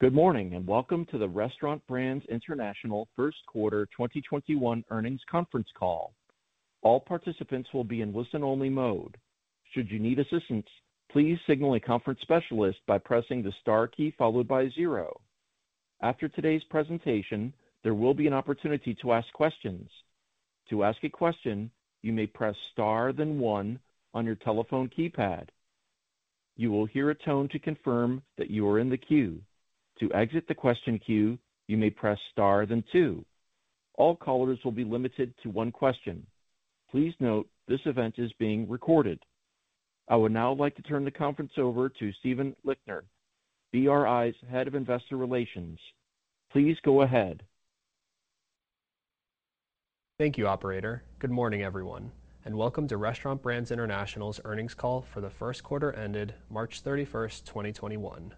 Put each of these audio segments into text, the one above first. Good morning. Welcome to the Restaurant Brands International first quarter 2021 earnings conference call. All participants will be in listen-only mode. Should you need assistance, please signal a conference specialist by pressing the star key followed by zero. After today's presentation, there will be an opportunity to ask questions. To ask a question, you may press star, then one on your telephone keypad. You will hear a tone to confirm that you are in the queue. To exit the question queue, you may press star, then two. All callers will be limited to one question. Please note, this event is being recorded. I would now like to turn the conference over to Stephen Lichtner, RBI's Head of Investor Relations. Please go ahead. Thank you, operator. Good morning, everyone, and welcome to Restaurant Brands International's earnings call for the first quarter ended March 31st, 2021.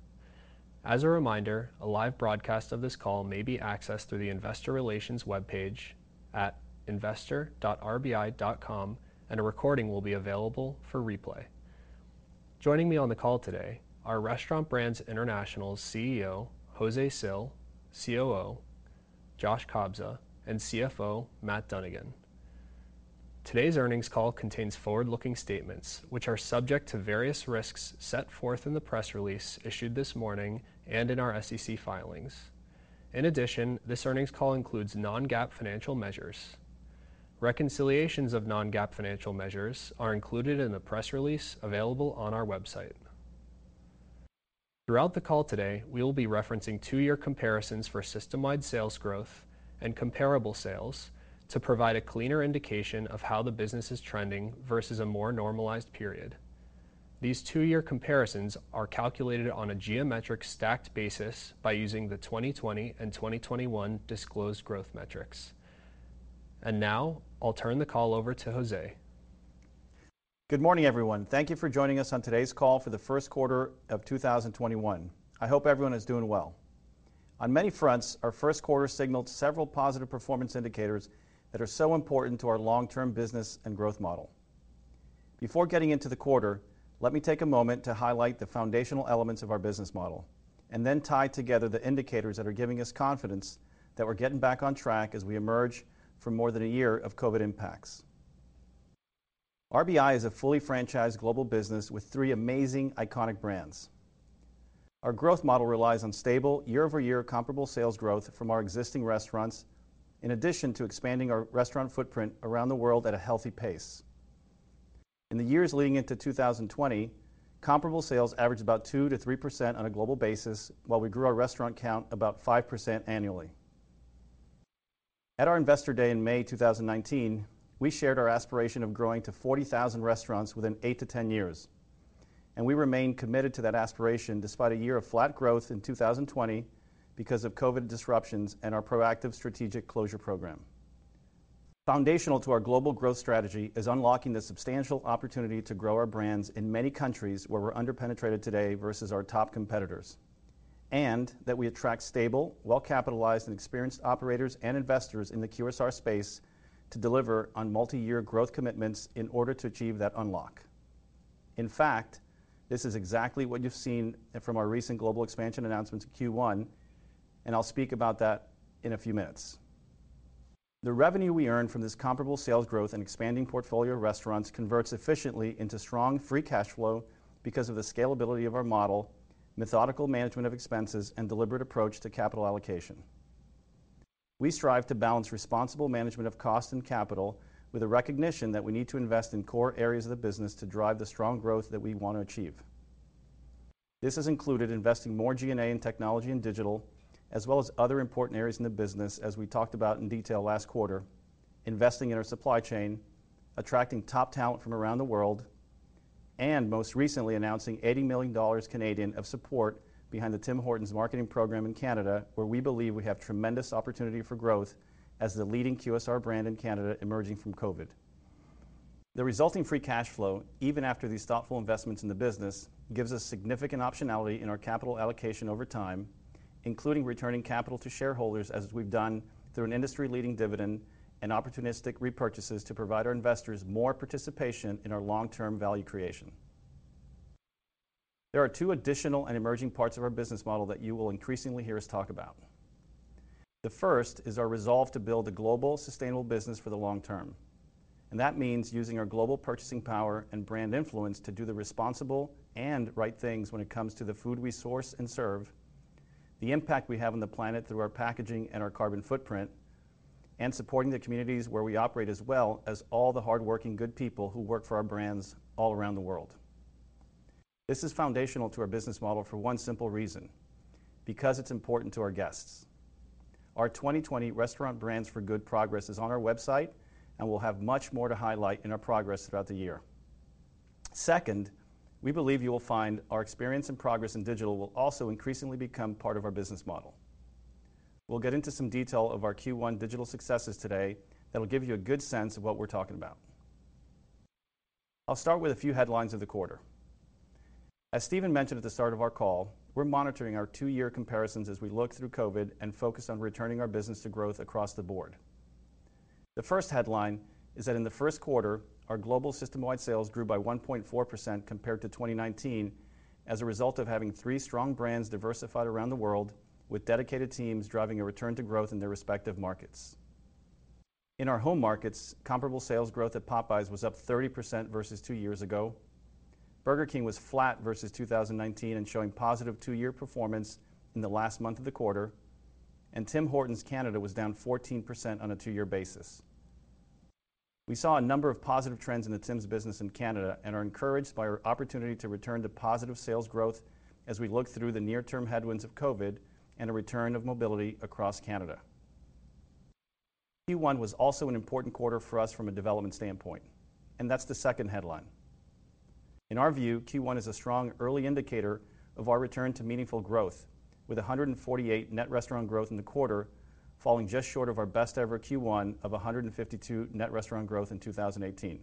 As a reminder, a live broadcast of this call may be accessed through the investor relations webpage at investor.rbi.com, and a recording will be available for replay. Joining me on the call today are Restaurant Brands International CEO José Cil, COO Joshua Kobza, and CFO Matthew Dunnigan. Today's earnings call contains forward-looking statements which are subject to various risks set forth in the press release issued this morning and in our SEC filings. In addition, this earnings call includes non-GAAP financial measures. Reconciliations of non-GAAP financial measures are included in the press release available on our website. Throughout the call today, we will be referencing two-year comparisons for system-wide sales growth and comparable sales to provide a cleaner indication of how the business is trending versus a more normalized period. These two-year comparisons are calculated on a geometric stacked basis by using the 2020 and 2021 disclosed growth metrics. Now I'll turn the call over to José. Good morning, everyone. Thank Thank you for joining us on today's call for the first quarter of 2021. I hope everyone is doing well. On many fronts, our first quarter signaled several positive performance indicators that are so important to our long-term business and growth model. Before getting into the quarter, let me take a moment to highlight the foundational elements of our business model and then tie together the indicators that are giving us confidence that we're getting back on track as we emerge from more than a year of COVID impacts. RBI is a fully franchised global business with three amazing iconic brands. Our growth model relies on stable year-over-year comparable sales growth from our existing restaurants, in addition to expanding our restaurant footprint around the world at a healthy pace. In the years leading into 2020, comparable sales averaged about 2%-3% on a global basis, while we grew our restaurant count about 5% annually. At our Investor Day in May 2019, we shared our aspiration of growing to 40,000 restaurants within 8-10 years. We remain committed to that aspiration despite a year of flat growth in 2020 because of COVID disruptions and our proactive strategic closure program. Foundational to our global growth strategy is unlocking the substantial opportunity to grow our brands in many countries where we're under-penetrated today versus our top competitors, and that we attract stable, well-capitalized, and experienced operators and investors in the QSR space to deliver on multi-year growth commitments in order to achieve that unlock. In fact, this is exactly what you've seen from our recent global expansion announcements in Q1. I'll speak about that in a few minutes. The revenue we earn from this comparable sales growth and expanding portfolio of restaurants converts efficiently into strong free cash flow because of the scalability of our model, methodical management of expenses, and deliberate approach to capital allocation. We strive to balance responsible management of cost and capital with a recognition that we need to invest in core areas of the business to drive the strong growth that we want to achieve. This has included investing more G&A in technology and digital, as well as other important areas in the business as we talked about in detail last quarter, investing in our supply chain, attracting top talent from around the world, and most recently announcing 80 million Canadian dollars of support behind the Tim Hortons marketing program in Canada, where we believe we have tremendous opportunity for growth as the leading QSR brand in Canada emerging from COVID. The resulting free cash flow, even after these thoughtful investments in the business, gives us significant optionality in our capital allocation over time, including returning capital to shareholders as we've done through an industry-leading dividend and opportunistic repurchases to provide our investors more participation in our long-term value creation. There are two additional and emerging parts of our business model that you will increasingly hear us talk about. The first is our resolve to build a global, sustainable business for the long term, and that means using our global purchasing power and brand influence to do the responsible and right things when it comes to the food we source and serve, the impact we have on the planet through our packaging and our carbon footprint, and supporting the communities where we operate, as well as all the hardworking good people who work for our brands all around the world. This is foundational to our business model for one simple reason: because it's important to our guests. Our 2020 Restaurant Brands for Good progress is on our website, and we'll have much more to highlight in our progress throughout the year. Second, we believe you will find our experience and progress in digital will also increasingly become part of our business model. We'll get into some detail of our Q1 digital successes today that'll give you a good sense of what we're talking about. I'll start with a few headlines of the quarter. As Stephen mentioned at the start of our call, we're monitoring our two-year comparisons as we look through COVID and focus on returning our business to growth across the board. The first headline is that in the first quarter, our global system-wide sales grew by 1.4% compared to 2019, as a result of having three strong brands diversified around the world with dedicated teams driving a return to growth in their respective markets. In our home markets, comparable sales growth at Popeyes was up 30% versus two years ago. Burger King was flat versus 2019 and showing positive two-year performance in the last month of the quarter, and Tim Hortons Canada was down 14% on a two-year basis. We saw a number of positive trends in the Tim's business in Canada and are encouraged by our opportunity to return to positive sales growth as we look through the near-term headwinds of COVID and a return of mobility across Canada. Q1 was also an important quarter for us from a development standpoint. That's the second headline. In our view, Q1 is a strong early indicator of our return to meaningful growth with 148 net restaurant growth in the quarter, falling just short of our best-ever Q1 of 152 net restaurant growth in 2018.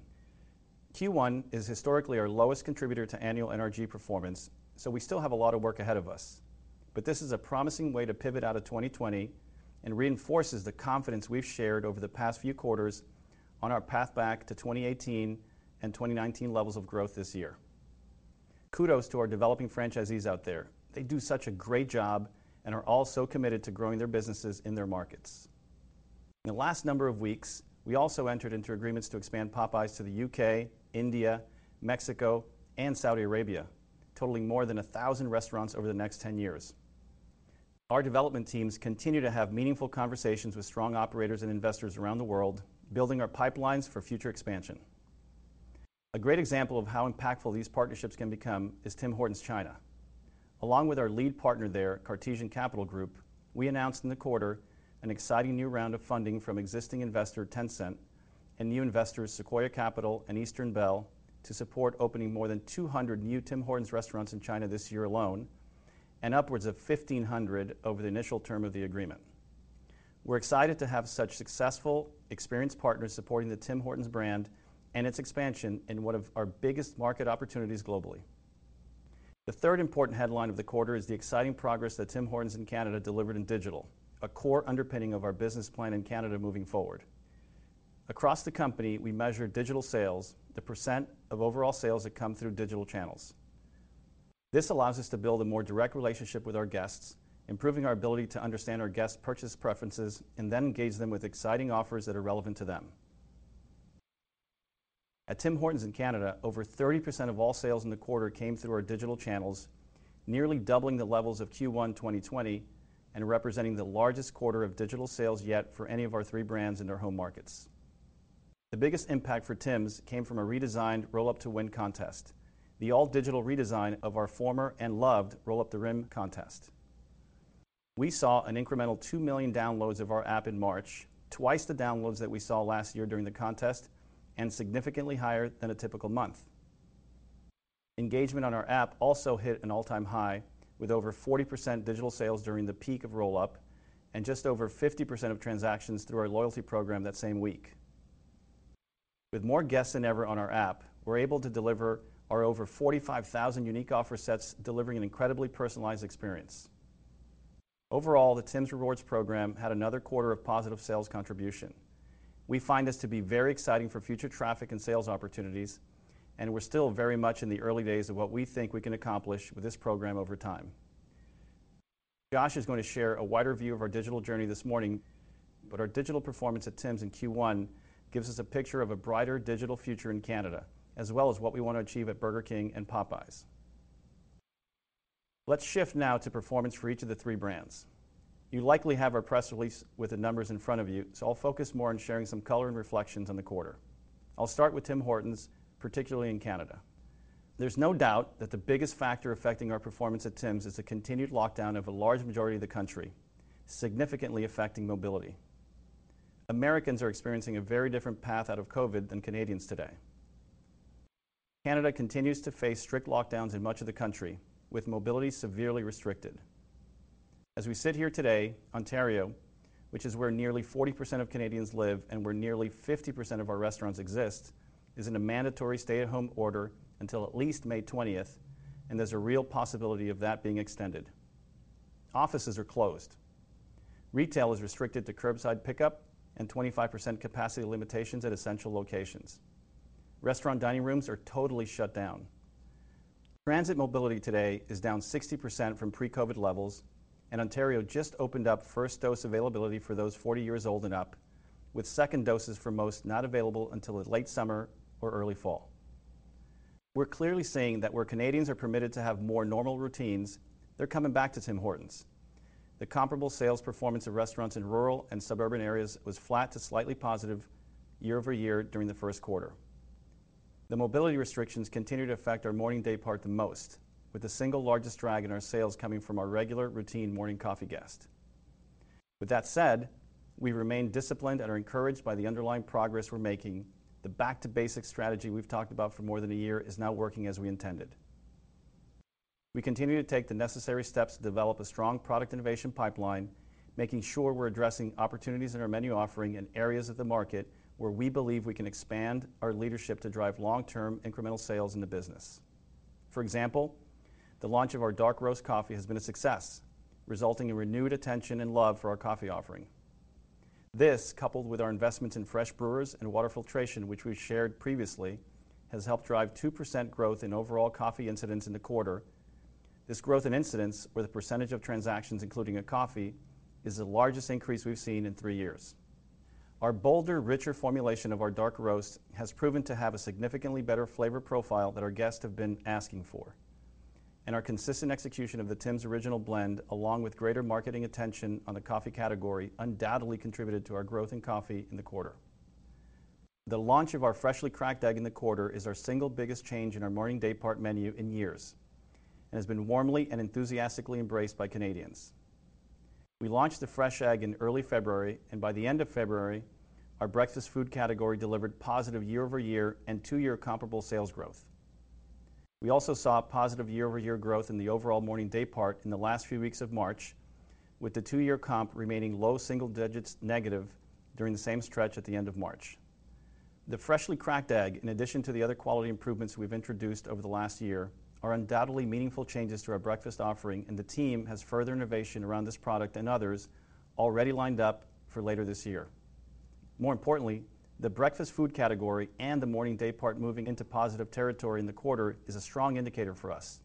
Q1 is historically our lowest contributor to annual NRG performance. We still have a lot of work ahead of us. This is a promising way to pivot out of 2020 and reinforces the confidence we've shared over the past few quarters on our path back to 2018 and 2019 levels of growth this year. Kudos to our developing franchisees out there. They do such a great job and are all so committed to growing their businesses in their markets. In the last number of weeks, we also entered into agreements to expand Popeyes to the U.K., India, Mexico, and Saudi Arabia, totaling more than 1,000 restaurants over the next 10 years. Our development teams continue to have meaningful conversations with strong operators and investors around the world, building our pipelines for future expansion. A great example of how impactful these partnerships can become is Tim Hortons China. Along with our lead partner there, Cartesian Capital Group, we announced in the quarter an exciting new round of funding from existing investor, Tencent, and new investors, Sequoia Capital China and Eastern Bell, to support opening more than 200 new Tim Hortons restaurants in China this year alone, and upwards of 1,500 over the initial term of the agreement. We're excited to have such successful, experienced partners supporting the Tim Hortons brand and its expansion in one of our biggest market opportunities globally. The third important headline of the quarter is the exciting progress that Tim Hortons in Canada delivered in digital, a core underpinning of our business plan in Canada moving forward. Across the company, we measure digital sales, the percent of overall sales that come through digital channels. This allows us to build a more direct relationship with our guests, improving our ability to understand our guests' purchase preferences, and then engage them with exciting offers that are relevant to them. At Tim Hortons in Canada, over 30% of all sales in the quarter came through our digital channels, nearly doubling the levels of Q1 2020 and representing the largest quarter of digital sales yet for any of our three brands in their home markets. The biggest impact for Tim's came from a redesigned Roll Up to Win contest, the all-digital redesign of our former and loved Roll Up the Rim contest. We saw an incremental two million downloads of our app in March, twice the downloads that we saw last year during the contest and significantly higher than a typical month. Engagement on our app also hit an all-time high, with over 40% digital sales during the peak of Roll Up and just over 50% of transactions through our loyalty program that same week. With more guests than ever on our app, we're able to deliver our over 45,000 unique offer sets, delivering an incredibly personalized experience. Overall, the Tims Rewards program had another quarter of positive sales contribution. We find this to be very exciting for future traffic and sales opportunities. We're still very much in the early days of what we think we can accomplish with this program over time. Joshua is going to share a wider view of our digital journey this morning. Our digital performance at Tim's in Q1 gives us a picture of a brighter digital future in Canada, as well as what we want to achieve at Burger King and Popeyes. Let's shift now to performance for each of the three brands. You likely have our press release with the numbers in front of you, so I'll focus more on sharing some color and reflections on the quarter. I'll start with Tim Hortons, particularly in Canada. There's no doubt that the biggest factor affecting our performance at Tim's is the continued lockdown of a large majority of the country, significantly affecting mobility. Americans are experiencing a very different path out of COVID than Canadians today. Canada continues to face strict lockdowns in much of the country, with mobility severely restricted. As we sit here today, Ontario, which is where nearly 40% of Canadians live and where nearly 50% of our restaurants exist, is in a mandatory stay-at-home order until at least May 20th, and there's a real possibility of that being extended. Offices are closed. Retail is restricted to curbside pickup and 25% capacity limitations at essential locations. Restaurant dining rooms are totally shut down. Transit mobility today is down 60% from pre-COVID levels. Ontario just opened up first dose availability for those 40 years old and up, with second doses for most not available until late summer or early fall. We're clearly seeing that where Canadians are permitted to have more normal routines, they're coming back to Tim Hortons. The comparable sales performance of restaurants in rural and suburban areas was flat to slightly positive year-over-year during the first quarter. The mobility restrictions continue to affect our morning daypart the most, with the single largest drag in our sales coming from our regular routine morning coffee guest. With that said, we remain disciplined and are encouraged by the underlying progress we're making. The back to basics strategy we've talked about for more than a year is now working as we intended. We continue to take the necessary steps to develop a strong product innovation pipeline, making sure we're addressing opportunities in our menu offering in areas of the market where we believe we can expand our leadership to drive long-term incremental sales in the business. For example, the launch of our dark roast coffee has been a success, resulting in renewed attention and love for our coffee offering. This, coupled with our investments in fresh brewers and water filtration, which we shared previously, has helped drive 2% growth in overall coffee incidence in the quarter. This growth in incidence, where the percentage of transactions including a coffee, is the largest increase we've seen in three years. Our bolder, richer formulation of our dark roast has proven to have a significantly better flavor profile that our guests have been asking for. Our consistent execution of the Tim Hortons Original Blend, along with greater marketing attention on the coffee category, undoubtedly contributed to our growth in coffee in the quarter. The launch of our Freshly Cracked Egg in the quarter is our single biggest change in our morning daypart menu in years, and has been warmly and enthusiastically embraced by Canadians. We launched the fresh egg in early February, and by the end of February, our breakfast food category delivered positive year-over-year and two-year comparable sales growth. We also saw positive year-over-year growth in the overall morning daypart in the last few weeks of March, with the two-year comp remaining low single digits negative during the same stretch at the end of March. The Freshly Cracked Egg, in addition to the other quality improvements we've introduced over the last year, are undoubtedly meaningful changes to our breakfast offering, and the team has further innovation around this product and others already lined up for later this year. More importantly, the breakfast food category and the morning daypart moving into positive territory in the quarter is a strong indicator for us.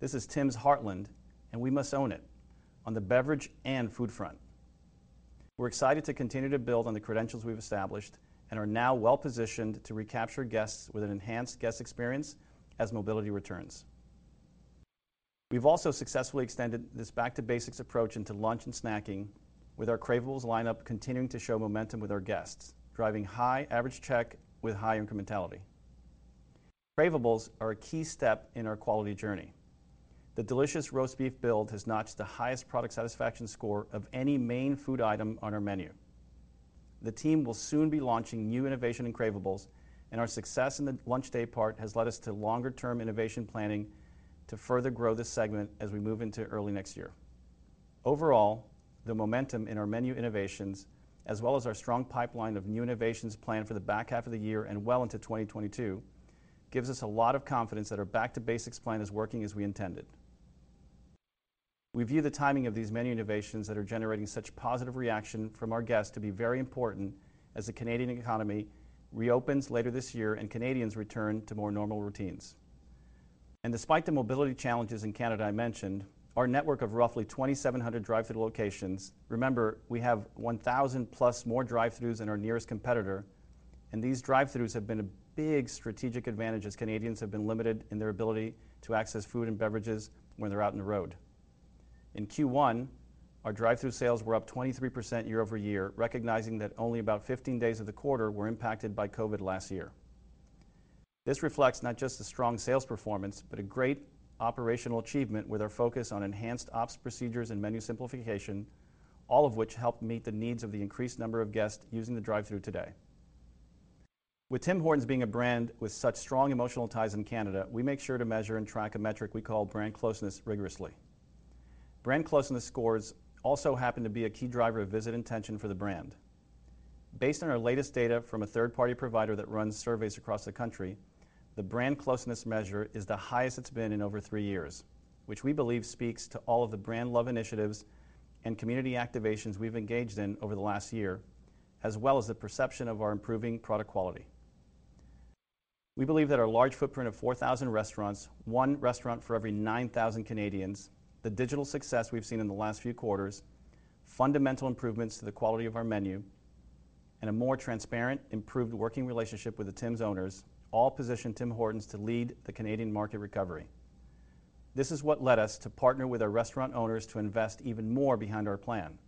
This is Tim's heartland, and we must own it on the beverage and food front. We're excited to continue to build on the credentials we've established and are now well-positioned to recapture guests with an enhanced guest experience as mobility returns. We've also successfully extended this back-to-basics approach into lunch and snacking with our Craveables lineup continuing to show momentum with our guests, driving high average check with high incrementality. Craveables are a key step in our quality journey. The delicious roast beef build has notched the highest product satisfaction score of any main food item on our menu. The team will soon be launching new innovation in Craveables, and our success in the lunch daypart has led us to longer-term innovation planning to further grow this segment as we move into early next year. Overall, the momentum in our menu innovations, as well as our strong pipeline of new innovations planned for the back half of the year and well into 2022, gives us a lot of confidence that our back-to-basics plan is working as we intended. We view the timing of these menu innovations that are generating such positive reaction from our guests to be very important as the Canadian economy reopens later this year and Canadians return to more normal routines. Despite the mobility challenges in Canada I mentioned, our network of roughly 2,700 drive-thru locations, remember, we have 1,000+ more drive-thrus than our nearest competitor, and these drive-thrus have been a big strategic advantage as Canadians have been limited in their ability to access food and beverages when they're out on the road. In Q1, our drive-thru sales were up 23% year-over-year, recognizing that only about 15 days of the quarter were impacted by COVID last year. This reflects not just a strong sales performance, but a great operational achievement with our focus on enhanced ops procedures and menu simplification, all of which help meet the needs of the increased number of guests using the drive-thru today. With Tim Hortons being a brand with such strong emotional ties in Canada, we make sure to measure and track a metric we call brand closeness rigorously. Brand closeness scores also happen to be a key driver of visit intention for the brand. Based on our latest data from a third-party provider that runs surveys across the country, the brand closeness measure is the highest it's been in over three years, which we believe speaks to all of the brand love initiatives and community activations we've engaged in over the last year, as well as the perception of our improving product quality. We believe that our large footprint of 4,000 restaurants, one restaurant for every 9,000 Canadians, the digital success we've seen in the last few quarters, fundamental improvements to the quality of our menu, and a more transparent, improved working relationship with the Tim Hortons owners all position Tim Hortons to lead the Canadian market recovery. This is what led us to partner with our restaurant owners to invest even more behind our plan.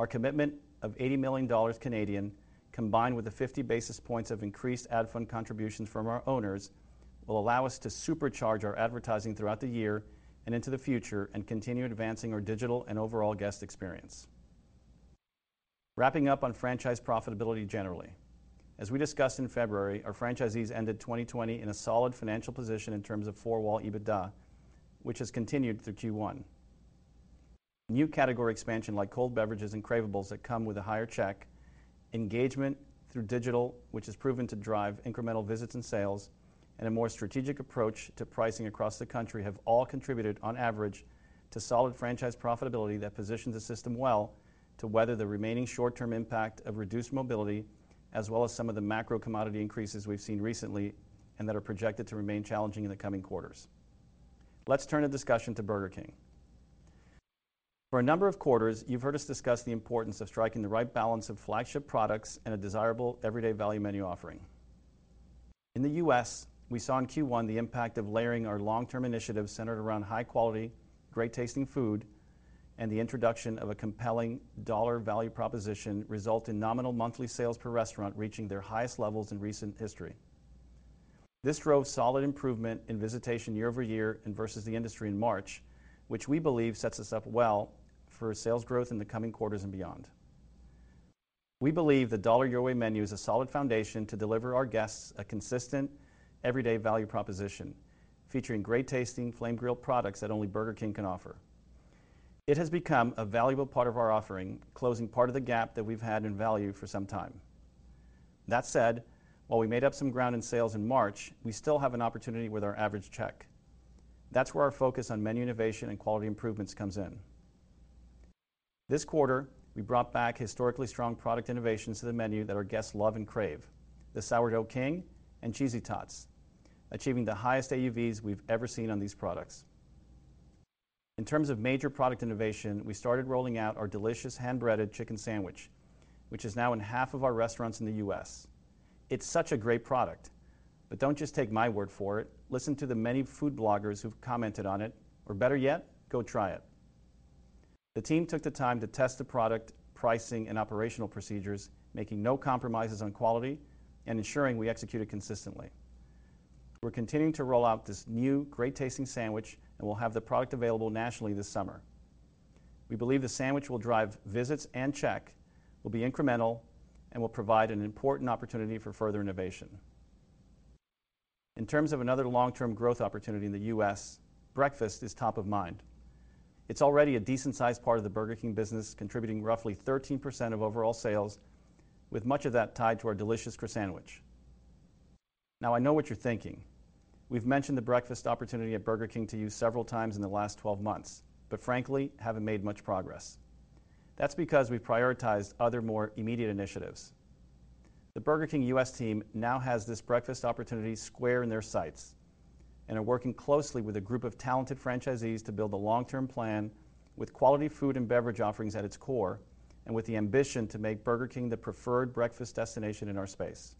Our commitment of 80 million Canadian dollars, combined with the 50 basis points of increased ad fund contributions from our owners, will allow us to supercharge our advertising throughout the year and into the future and continue advancing our digital and overall guest experience. Wrapping up on franchise profitability generally. As we discussed in February, our franchisees ended 2020 in a solid financial position in terms of four-wall EBITDA, which has continued through Q1. New category expansion like cold beverages and Craveables that come with a higher check, engagement through digital which has proven to drive incremental visits and sales, and a more strategic approach to pricing across the country have all contributed on average to solid franchise profitability that positions the system well to weather the remaining short-term impact of reduced mobility, as well as some of the macro commodity increases we've seen recently and that are projected to remain challenging in the coming quarters. Let's turn the discussion to Burger King. For a number of quarters, you've heard us discuss the importance of striking the right balance of flagship products and a desirable everyday value menu offering. In the U.S., we saw in Q1 the impact of layering our long-term initiatives centered around high-quality, great-tasting food, and the introduction of a compelling dollar value proposition result in nominal monthly sales per restaurant reaching their highest levels in recent history. This drove solid improvement in visitation year-over-year and versus the industry in March, which we believe sets us up well for sales growth in the coming quarters and beyond. We believe the $1 Your Way menu is a solid foundation to deliver our guests a consistent everyday value proposition featuring great-tasting flame-grilled products that only Burger King can offer. It has become a valuable part of our offering, closing part of the gap that we've had in value for some time. That said, while we made up some ground in sales in March, we still have an opportunity with our average check. That's where our focus on menu innovation and quality improvements comes in. This quarter, we brought back historically strong product innovations to the menu that our guests love and crave, the Sourdough King and Cheesy Tots, achieving the highest AUVs we've ever seen on these products. In terms of major product innovation, we started rolling out our delicious hand-breaded chicken sandwich, which is now in half of our restaurants in the U.S. It's such a great product. Don't just take my word for it, listen to the many food bloggers who've commented on it, or better yet, go try it. The team took the time to test the product pricing and operational procedures, making no compromises on quality and ensuring we execute it consistently. We're continuing to roll out this new great-tasting sandwich, we'll have the product available nationally this summer. We believe the sandwich will drive visits and check, will be incremental, and will provide an important opportunity for further innovation. In terms of another long-term growth opportunity in the U.S., breakfast is top of mind. It's already a decent-sized part of the Burger King business, contributing roughly 13% of overall sales, with much of that tied to our delicious Croissan'wich. Now I know what you're thinking. We've mentioned the breakfast opportunity at Burger King to you several times in the last 12 months but frankly, haven't made much progress. That's because we prioritized other more immediate initiatives. The Burger King U.S. team now has this breakfast opportunity square in their sights and are working closely with a group of talented franchisees to build a long-term plan with quality food and beverage offerings at its core and with the ambition to make Burger King the preferred breakfast destination in our space.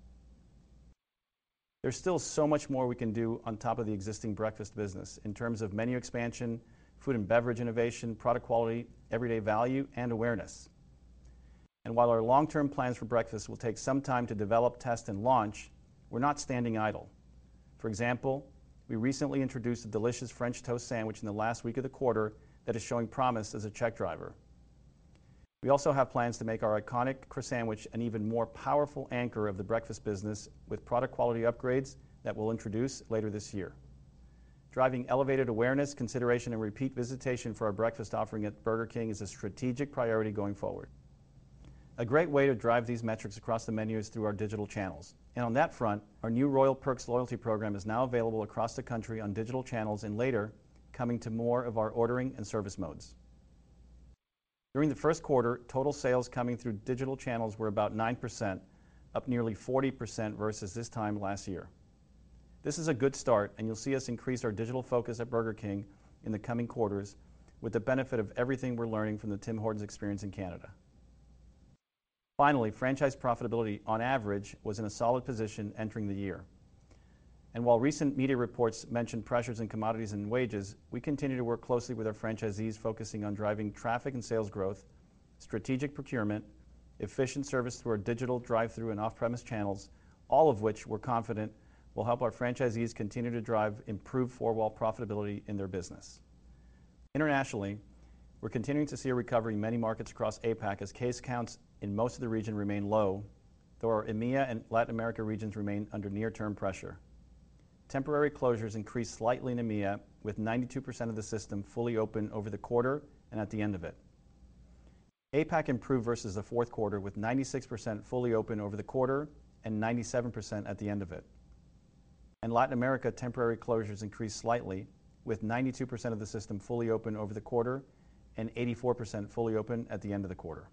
There's still so much more we can do on top of the existing breakfast business in terms of menu expansion, food and beverage innovation, product quality, everyday value, and awareness. While our long-term plans for breakfast will take some time to develop, test, and launch, we're not standing idle. For example, we recently introduced a delicious French toast sandwich in the last week of the quarter that is showing promise as a check driver. We also have plans to make our iconic Croissan'wich an even more powerful anchor of the breakfast business with product quality upgrades that we'll introduce later this year. Driving elevated awareness, consideration, and repeat visitation for our breakfast offering at Burger King is a strategic priority going forward. A great way to drive these metrics across the menu is through our digital channels. On that front, our new Royal Perks loyalty program is now available across the country on digital channels and later coming to more of our ordering and service modes. During the first quarter, total sales coming through digital channels were about 9%, up nearly 40% versus this time last year. This is a good start, you'll see us increase our digital focus at Burger King in the coming quarters with the benefit of everything we're learning from the Tim Hortons experience in Canada. Franchise profitability on average was in a solid position entering the year. While recent media reports mention pressures in commodities and wages, we continue to work closely with our franchisees focusing on driving traffic and sales growth, strategic procurement, efficient service through our digital, drive-thru, and off-premise channels, all of which we're confident will help our franchisees continue to drive improved four-wall profitability in their business. Internationally, we're continuing to see a recovery in many markets across APAC as case counts in most of the region remain low, though our EMEA and Latin America regions remain under near-term pressure. Temporary closures increased slightly in EMEA, with 92% of the system fully open over the quarter and at the end of it. APAC improved versus the fourth quarter, with 96% fully open over the quarter and 97% at the end of it. In Latin America, temporary closures increased slightly, with 92% of the system fully open over the quarter and 84% fully open at the end of the quarter.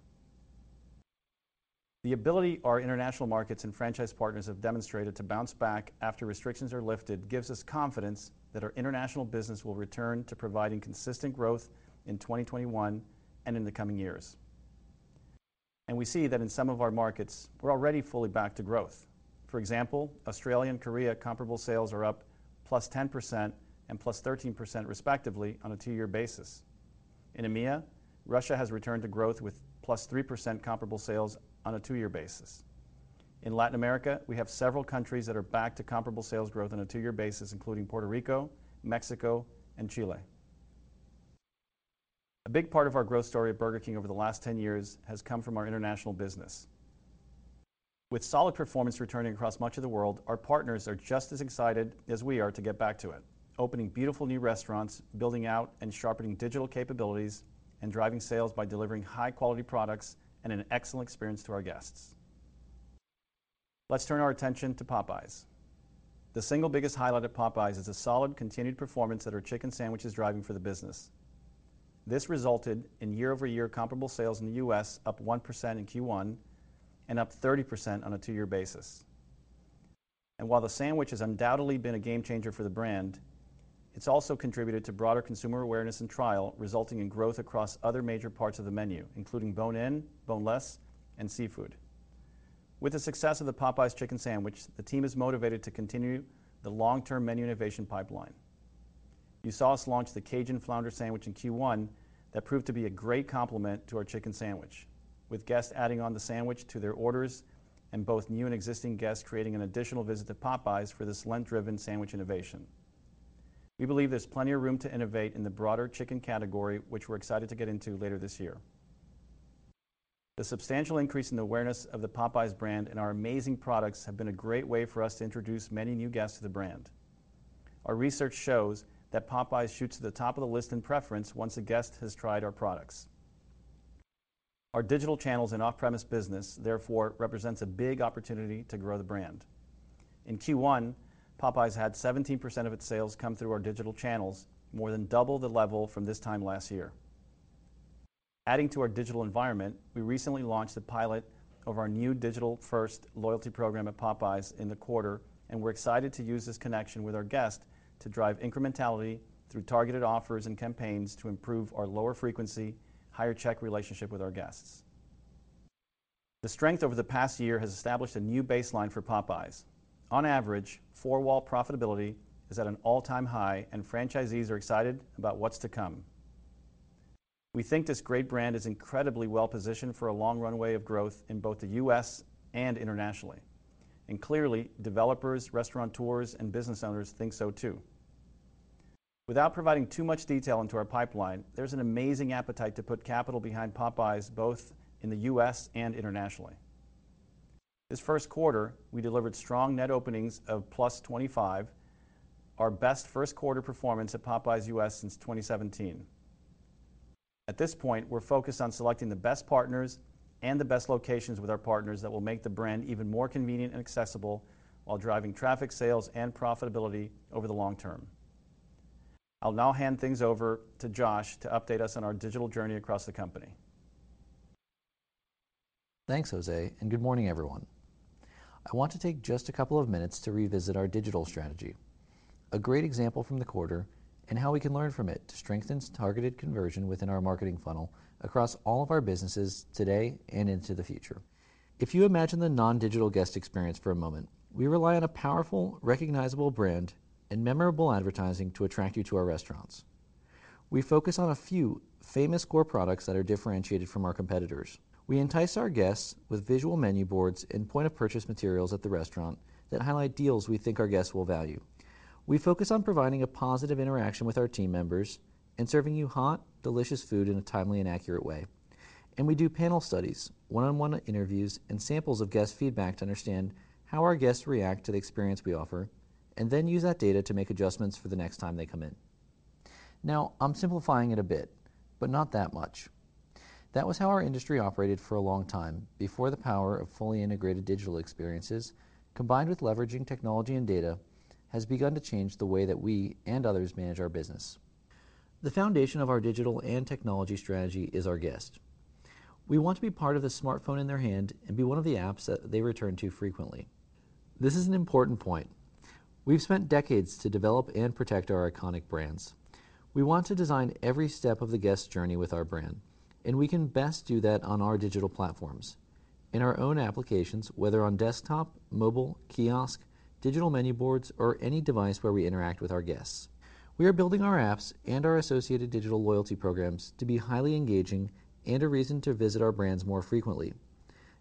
The ability our international markets and franchise partners have demonstrated to bounce back after restrictions are lifted gives us confidence that our international business will return to providing consistent growth in 2021 and in the coming years. We see that in some of our markets, we're already fully back to growth. For example, Australia and Korea comparable sales are up +10% and +13% respectively on a two-year basis. In EMEA, Russia has returned to growth with +3% comparable sales on a two-year basis. In Latin America, we have several countries that are back to comparable sales growth on a two-year basis, including Puerto Rico, Mexico, and Chile. A big part of our growth story at Burger King over the last 10 years has come from our international business. With solid performance returning across much of the world, our partners are just as excited as we are to get back to it, opening beautiful new restaurants, building out and sharpening digital capabilities, and driving sales by delivering high-quality products and an excellent experience to our guests. Let's turn our attention to Popeyes. The single biggest highlight at Popeyes is the solid continued performance that our chicken sandwich is driving for the business. This resulted in year-over-year comparable sales in the U.S. up 1% in Q1 and up 30% on a two-year basis. While the sandwich has undoubtedly been a game changer for the brand, it's also contributed to broader consumer awareness and trial, resulting in growth across other major parts of the menu, including bone-in, boneless, and seafood. With the success of the Popeyes Chicken Sandwich, the team is motivated to continue the long-term menu innovation pipeline. You saw us launch the Cajun Flounder Sandwich in Q1 that proved to be a great complement to our Chicken Sandwich, with guests adding on the sandwich to their orders and both new and existing guests creating an additional visit to Popeyes for this trend-driven sandwich innovation. We believe there's plenty of room to innovate in the broader chicken category, which we're excited to get into later this year. The substantial increase in awareness of the Popeyes brand and our amazing products have been a great way for us to introduce many new guests to the brand. Our research shows that Popeyes shoots to the top of the list in preference once a guest has tried our products. Our digital channels and off-premise business represents a big opportunity to grow the brand. In Q1, Popeyes had 17% of its sales come through our digital channels, more than double the level from this time last year. Adding to our digital environment, we recently launched the pilot of our new digital-first loyalty program at Popeyes in the quarter, and we're excited to use this connection with our guests to drive incrementality through targeted offers and campaigns to improve our lower-frequency, higher-check relationship with our guests. The strength over the past year has established a new baseline for Popeyes. On average, four-wall profitability is at an all-time high, and franchisees are excited about what's to come. We think this great brand is incredibly well-positioned for a long runway of growth in both the U.S. and internationally, clearly, developers, restaurateurs, and business owners think so too. Without providing too much detail into our pipeline, there's an amazing appetite to put capital behind Popeyes, both in the U.S. and internationally. This first quarter, we delivered strong net openings of +25%, our best first-quarter performance at Popeyes U.S. since 2017. At this point, we're focused on selecting the best partners and the best locations with our partners that will make the brand even more convenient and accessible while driving traffic, sales, and profitability over the long term. I'll now hand things over to Joshua to update us on our digital journey across the company. Thanks, José. Good morning, everyone. I want to take just a couple of minutes to revisit our digital strategy, a great example from the quarter, and how we can learn from it to strengthen targeted conversion within our marketing funnel across all of our businesses today and into the future. If you imagine the non-digital guest experience for a moment, we rely on a powerful, recognizable brand and memorable advertising to attract you to our restaurants. We focus on a few famous core products that are differentiated from our competitors. We entice our guests with visual menu boards and point-of-purchase materials at the restaurant that highlight deals we think our guests will value. We focus on providing a positive interaction with our team members and serving you hot, delicious food in a timely and accurate way. We do panel studies, one-on-one interviews, and samples of guest feedback to understand how our guests react to the experience we offer, and then use that data to make adjustments for the next time they come in. I'm simplifying it a bit, but not that much. That was how our industry operated for a long time before the power of fully integrated digital experiences, combined with leveraging technology and data, has begun to change the way that we and others manage our business. The foundation of our digital and technology strategy is our guests. We want to be part of the smartphone in their hand and be one of the apps that they return to frequently. This is an important point. We've spent decades to develop and protect our iconic brands. We want to design every step of the guest journey with our brand, and we can best do that on our digital platforms, in our own applications, whether on desktop, mobile, kiosk, digital menu boards, or any device where we interact with our guests. We are building our apps and our associated digital loyalty programs to be highly engaging and a reason to visit our brands more frequently,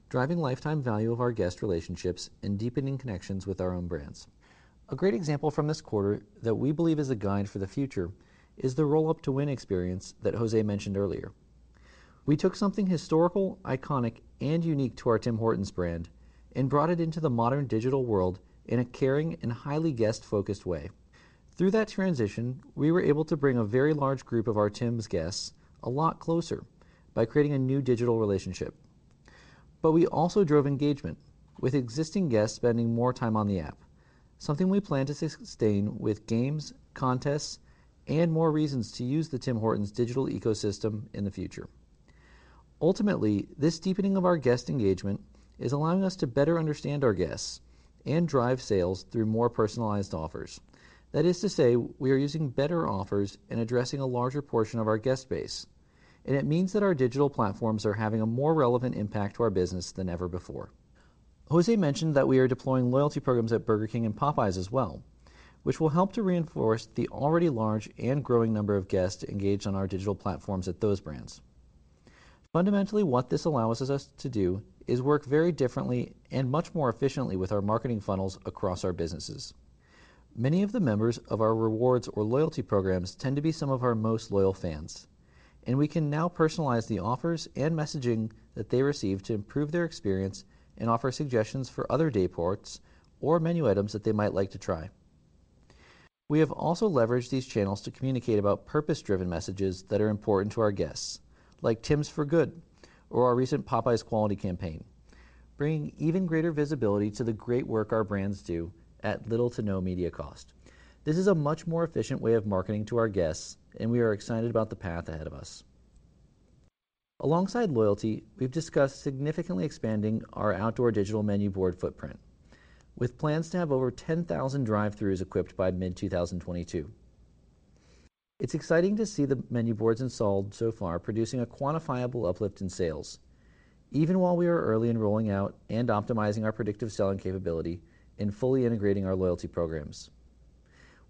driving lifetime value of our guest relationships and deepening connections with our own brands. A great example from this quarter that we believe is a guide for the future is the Roll Up to Win experience that José mentioned earlier. We took something historical, iconic, and unique to our Tim Hortons brand and brought it into the modern digital world in a caring and highly guest-focused way. Through that transition, we were able to bring a very large group of our Tims guests a lot closer by creating a new digital relationship. We also drove engagement, with existing guests spending more time on the app, something we plan to sustain with games, contests, and more reasons to use the Tim Hortons digital ecosystem in the future. Ultimately, this deepening of our guest engagement is allowing us to better understand our guests and drive sales through more personalized offers. That is to say, we are using better offers and addressing a larger portion of our guest base, and it means that our digital platforms are having a more relevant impact to our business than ever before. José mentioned that we are deploying loyalty programs at Burger King and Popeyes as well, which will help to reinforce the already large and growing number of guests engaged on our digital platforms at those brands. Fundamentally, what this allows us to do is work very differently and much more efficiently with our marketing funnels across our businesses. Many of the members of our rewards or loyalty programs tend to be some of our most loyal fans, and we can now personalize the offers and messaging that they receive to improve their experience and offer suggestions for other day parts or menu items that they might like to try. We have also leveraged these channels to communicate about purpose-driven messages that are important to our guests, like Tims for Good or our recent Popeyes quality campaign, bringing even greater visibility to the great work our brands do at little to no media cost. This is a much more efficient way of marketing to our guests. We are excited about the path ahead of us. Alongside loyalty, we've discussed significantly expanding our outdoor digital menu board footprint, with plans to have over 10,000 drive-throughs equipped by mid-2022. It's exciting to see the menu boards installed so far producing a quantifiable uplift in sales, even while we are early in rolling out and optimizing our predictive selling capability and fully integrating our loyalty programs.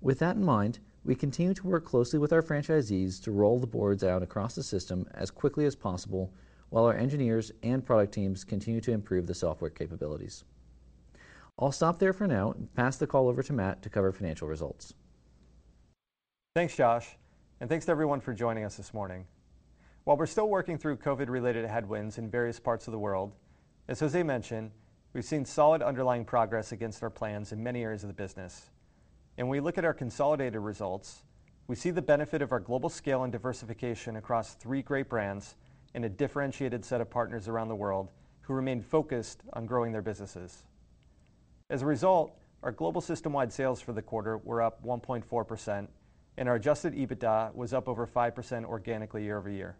With that in mind, we continue to work closely with our franchisees to roll the boards out across the system as quickly as possible while our engineers and product teams continue to improve the software capabilities. I will stop there for now and pass the call over to Matthew to cover financial results. Thanks, Joshua, and thanks to everyone for joining us this morning. While we're still working through COVID-related headwinds in various parts of the world, as José mentioned, we've seen solid underlying progress against our plans in many areas of the business. When we look at our consolidated results, we see the benefit of our global scale and diversification across three great brands and a differentiated set of partners around the world who remain focused on growing their businesses. Our global system-wide sales for the quarter were up 1.4%, and our adjusted EBITDA was up over 5% organically year-over-year.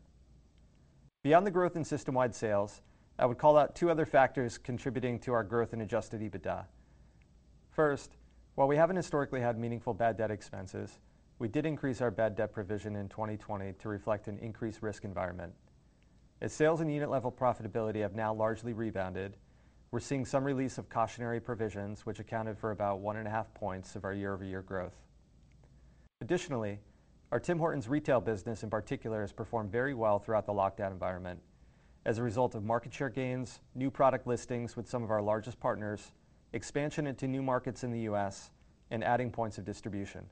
Beyond the growth in system-wide sales, I would call out two other factors contributing to our growth in adjusted EBITDA. While we haven't historically had meaningful bad debt expenses, we did increase our bad debt provision in 2020 to reflect an increased risk environment. As sales and unit-level profitability have now largely rebounded, we're seeing some release of cautionary provisions, which accounted for about one and a half points of our year-over-year growth. Additionally, our Tim Hortons retail business, in particular, has performed very well throughout the lockdown environment as a result of market share gains, new product listings with some of our largest partners, expansion into new markets in the U.S., and adding points of distribution.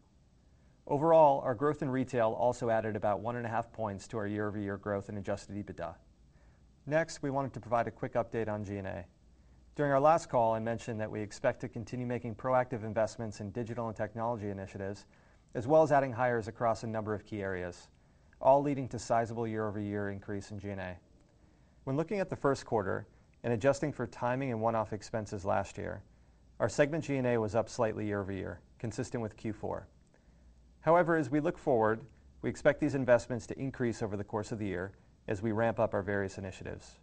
Overall, our growth in retail also added about one and a half points to our year-over-year growth in adjusted EBITDA. We wanted to provide a quick update on G&A. During our last call, I mentioned that we expect to continue making proactive investments in digital and technology initiatives, as well as adding hires across a number of key areas, all leading to sizable year-over-year increase in G&A. When looking at the first quarter and adjusting for timing and one-off expenses last year, our segment G&A was up slightly year-over-year, consistent with Q4. As we look forward, we expect these investments to increase over the course of the year as we ramp up our various initiatives.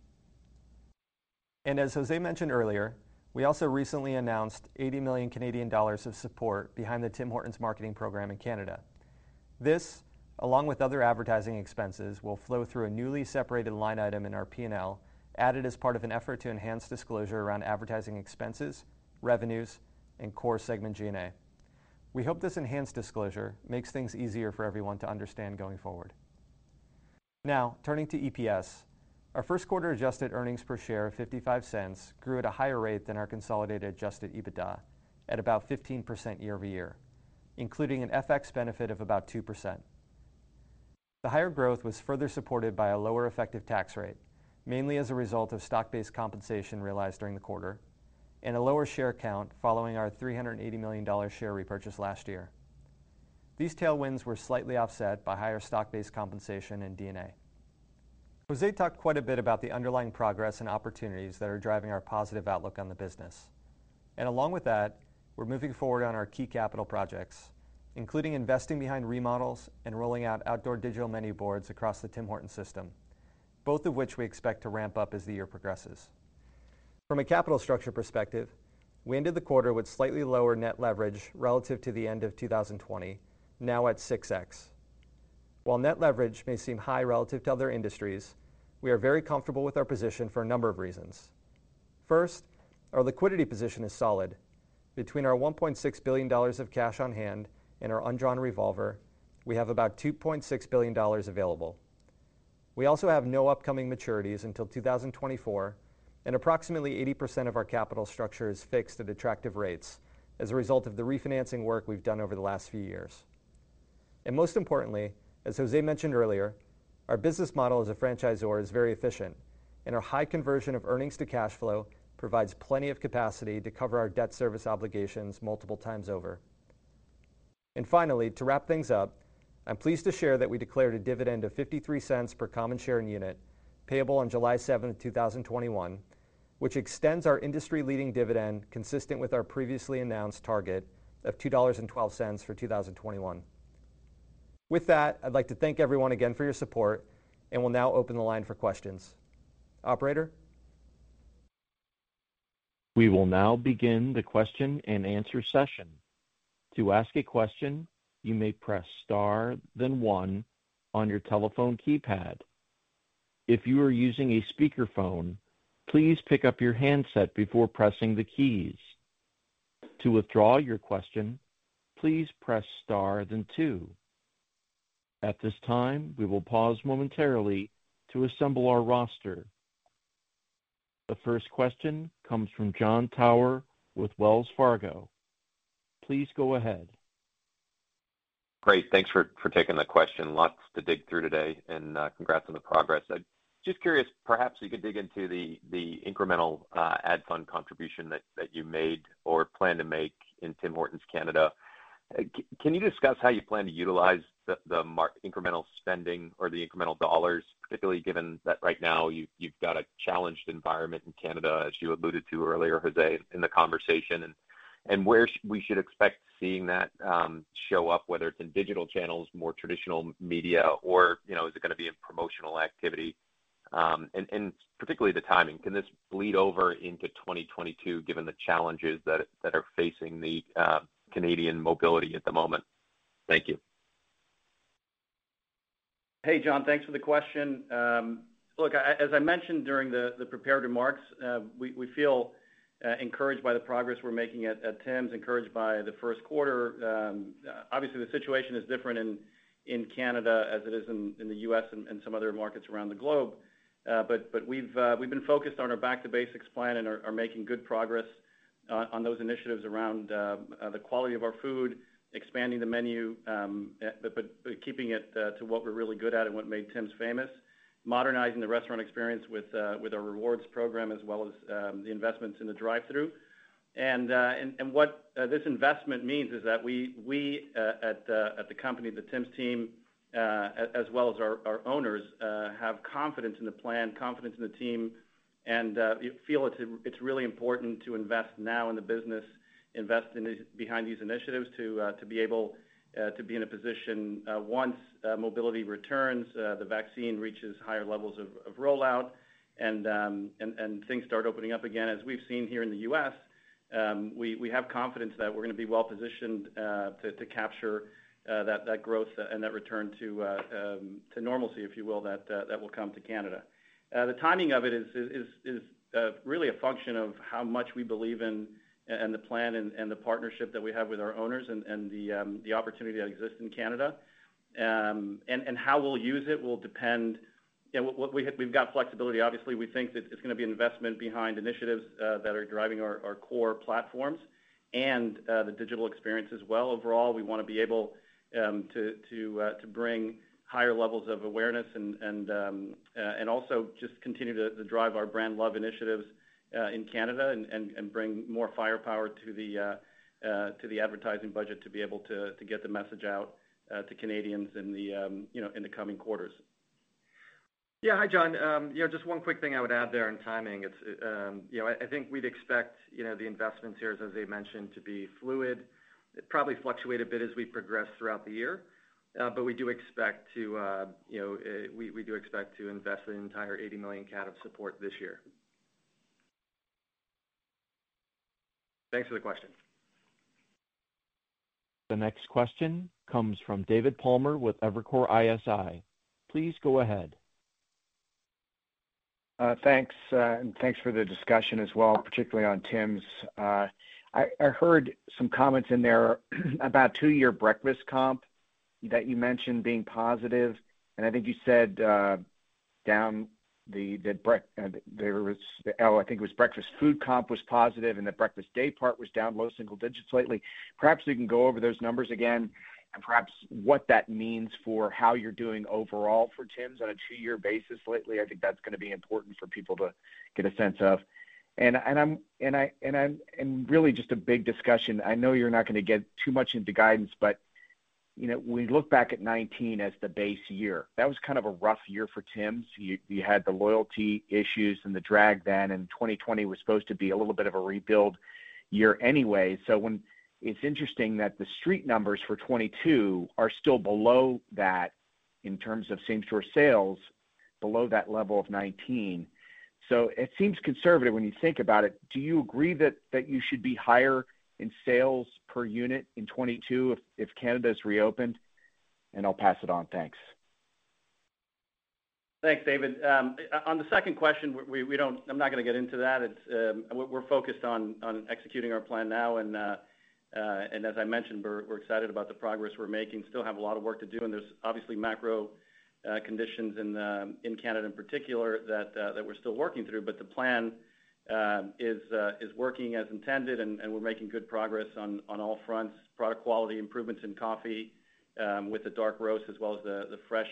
As José mentioned earlier, we also recently announced 80 million Canadian dollars of support behind the Tim Hortons marketing program in Canada. This, along with other advertising expenses, will flow through a newly separated line item in our P&L, added as part of an effort to enhance disclosure around advertising expenses, revenues, and core segment G&A. We hope this enhanced disclosure makes things easier for everyone to understand going forward. Turning to EPS. Our first quarter-adjusted earnings per share of $0.55 grew at a higher rate than our consolidated adjusted EBITDA at about 15% year-over-year, including an FX benefit of about 2%. The higher growth was further supported by a lower effective tax rate, mainly as a result of stock-based compensation realized during the quarter and a lower share count following our $380 million share repurchase last year. These tailwinds were slightly offset by higher stock-based compensation and D&A. José talked quite a bit about the underlying progress and opportunities that are driving our positive outlook on the business. Along with that, we're moving forward on our key capital projects, including investing behind remodels and rolling out outdoor digital menu boards across the Tim Hortons system, both of which we expect to ramp up as the year progresses. From a capital structure perspective, we ended the quarter with slightly lower net leverage relative to the end of 2020, now at 6x. While net leverage may seem high relative to other industries, we are very comfortable with our position for a number of reasons. First, our liquidity position is solid. Between our 1.6 billion dollars of cash on hand and our undrawn revolver, we have about 2.6 billion dollars available. We also have no upcoming maturities until 2024, approximately 80% of our capital structure is fixed at attractive rates as a result of the refinancing work we've done over the last few years. Most importantly, as José mentioned earlier, our business model as a franchisor is very efficient, and our high conversion of earnings to cash flow provides plenty of capacity to cover our debt service obligations multiple times over. Finally, to wrap things up, I'm pleased to share that we declared a dividend of 0.53 per common share and unit payable on July 7th, 2021, which extends our industry-leading dividend consistent with our previously announced target of 2.12 dollars for 2021. With that, I'd like to thank everyone again for your support, and we'll now open the line for questions. Operator? We will now begin the question and answer session. To ask a question, you may press star, then one on your telephone keypad. If you are using a speakerphone, please pick up your handset before pressing the keys. To withdraw your question, please press star, then two. At this time, we will pause momentarily to assemble our roster. The first question comes from Jon Tower with Wells Fargo. Please go ahead. Great. Thanks for taking the question. Lots to dig through today, congrats on the progress. Just curious, perhaps you could dig into the incremental ad fund contribution that you made or plan to make in Tim Hortons, Canada. Can you discuss how you plan to utilize the incremental spending or the incremental dollars, particularly given that right now you've got a challenged environment in Canada, as you alluded to earlier, Jose, in the conversation? Where we should expect seeing that show up, whether it's in digital channels, more traditional media, or is it going to be a promotional activity? Particularly the timing. Can this bleed over into 2022 given the challenges that are facing the Canadian mobility at the moment? Thank you. Hey, Jon. Thanks for the question. Look, as I mentioned during the prepared remarks, we feel encouraged by the progress we're making at Tim's, encouraged by the first quarter. Obviously, the situation is different in Canada as it is in the U.S. and some other markets around the globe. We've been focused on our back-to-basics plan and are making good progress on those initiatives around the quality of our food, expanding the menu, but keeping it to what we're really good at and what made Tims famous, modernizing the restaurant experience with a rewards program, as well as the investments in the drive-thru. What this investment means is that we at the company, the Tims team, as well as our owners, have confidence in the plan, confidence in the team, and feel it is really important to invest now in the business, invest behind these initiatives to be able to be in a position once mobility returns, the vaccine reaches higher levels of rollout, and things start opening up again, as we have seen here in the U.S., we have confidence that we are going to be well-positioned to capture that growth and that return to normalcy, if you will, that will come to Canada. The timing of it is really a function of how much we believe in the plan and the partnership that we have with our owners and the opportunity that exists in Canada. How we will use it will depend, we have got flexibility, obviously. We think that it's going to be investment behind initiatives that are driving our core platforms and the digital experience as well. Overall, we want to be able to bring higher levels of awareness and also just continue to drive our brand love initiatives in Canada and bring more firepower to the advertising budget to be able to get the message out to Canadians in the coming quarters. Yeah. Hi, Jon. Just one quick thing I would add there on timing. I think we'd expect the investments here, as José mentioned, to be fluid. It'd probably fluctuate a bit as we progress throughout the year. We do expect to invest the entire 80 million CAD of support this year. Thanks for the question. The next question comes from David Palmer with Evercore ISI. Please go ahead. Thanks. Thanks for the discussion as well, particularly on Tims. I heard some comments in there about two-year breakfast comp that you mentioned being positive, and I think you said, it was breakfast food comp was positive and the breakfast daypart was down low single digits lately. Perhaps you can go over those numbers again, and perhaps what that means for how you're doing overall for Tims on a two-year basis lately. I think that's going to be important for people to get a sense of. Really just a big discussion. I know you're not going to get too much into guidance, but when we look back at 2019 as the base year, that was kind of a rough year for Tims. You had the loyalty issues and the drag then, and 2020 was supposed to be a little bit of a rebuild year anyway. It's interesting that the street numbers for 2022 are still below that in terms of same-store sales, below that level of 2019. It seems conservative when you think about it. Do you agree that you should be higher in sales per unit in 2022 if Canada is reopened? I'll pass it on. Thanks. Thanks, David. On the second question, I'm not going to get into that. We're focused on executing our plan now, and as I mentioned, we're excited about the progress we're making. Still have a lot of work to do, and there's obviously macro conditions in Canada in particular that we're still working through. The plan is working as intended, and we're making good progress on all fronts. Product quality improvements in coffee with the dark roast, as well as the fresh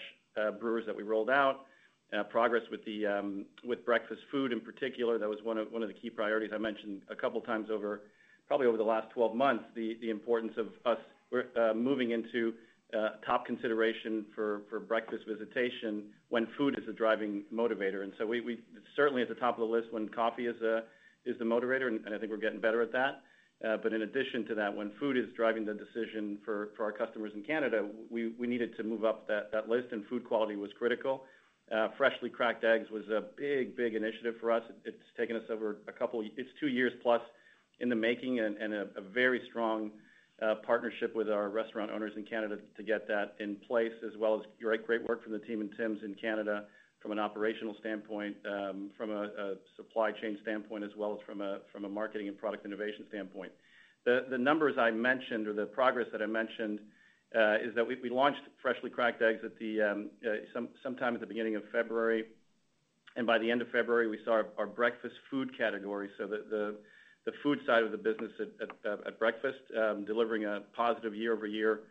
brewers that we rolled out. Progress with breakfast food in particular. That was one of the key priorities I mentioned a couple of times, probably over the last 12 months, the importance of us moving into top consideration for breakfast visitation when food is a driving motivator. We're certainly at the top of the list when coffee is the motivator, and I think we're getting better at that. In addition to that, when food is driving the decision for our customers in Canada, we needed to move up that list, and food quality was critical. Freshly Cracked Egg was a big initiative for us. It's two years plus in the making and a very strong partnership with our restaurant owners in Canada to get that in place, as well as great work from the team in Tims in Canada from an operational standpoint, from a supply chain standpoint, as well as from a marketing and product innovation standpoint. The numbers I mentioned, or the progress that I mentioned, is that we launched Freshly Cracked Egg sometime at the beginning of February. By the end of February, we saw our breakfast food category, so the food side of the business at breakfast, delivering a positive year-over-year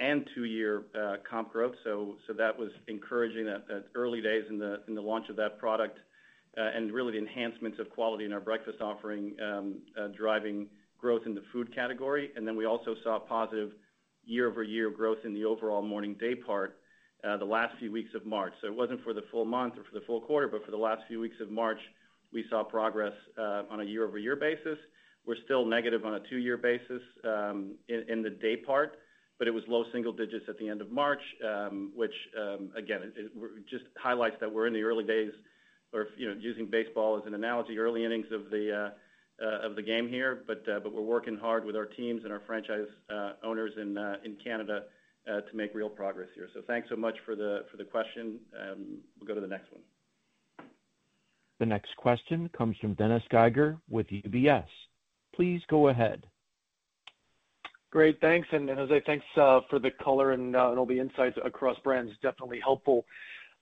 and two-year comp growth. That was encouraging, the early days in the launch of that product, and really the enhancements of quality in our breakfast offering driving growth in the food category. We also saw positive year-over-year growth in the overall morning daypart the last few weeks of March. It wasn't for the full month or for the full quarter, but for the last few weeks of March, we saw progress on a year-over-year basis. We're still negative on a two-year basis in the daypart, but it was low single digits at the end of March, which again, just highlights that we're in the early days, or using baseball as an analogy, early innings of the game here. We're working hard with our teams and our franchise owners in Canada to make real progress here. Thanks so much for the question. We'll go to the next one. The next question comes from Dennis Geiger with UBS. Please go ahead. Great. Thanks. José, thanks for the color and all the insights across brands, definitely helpful.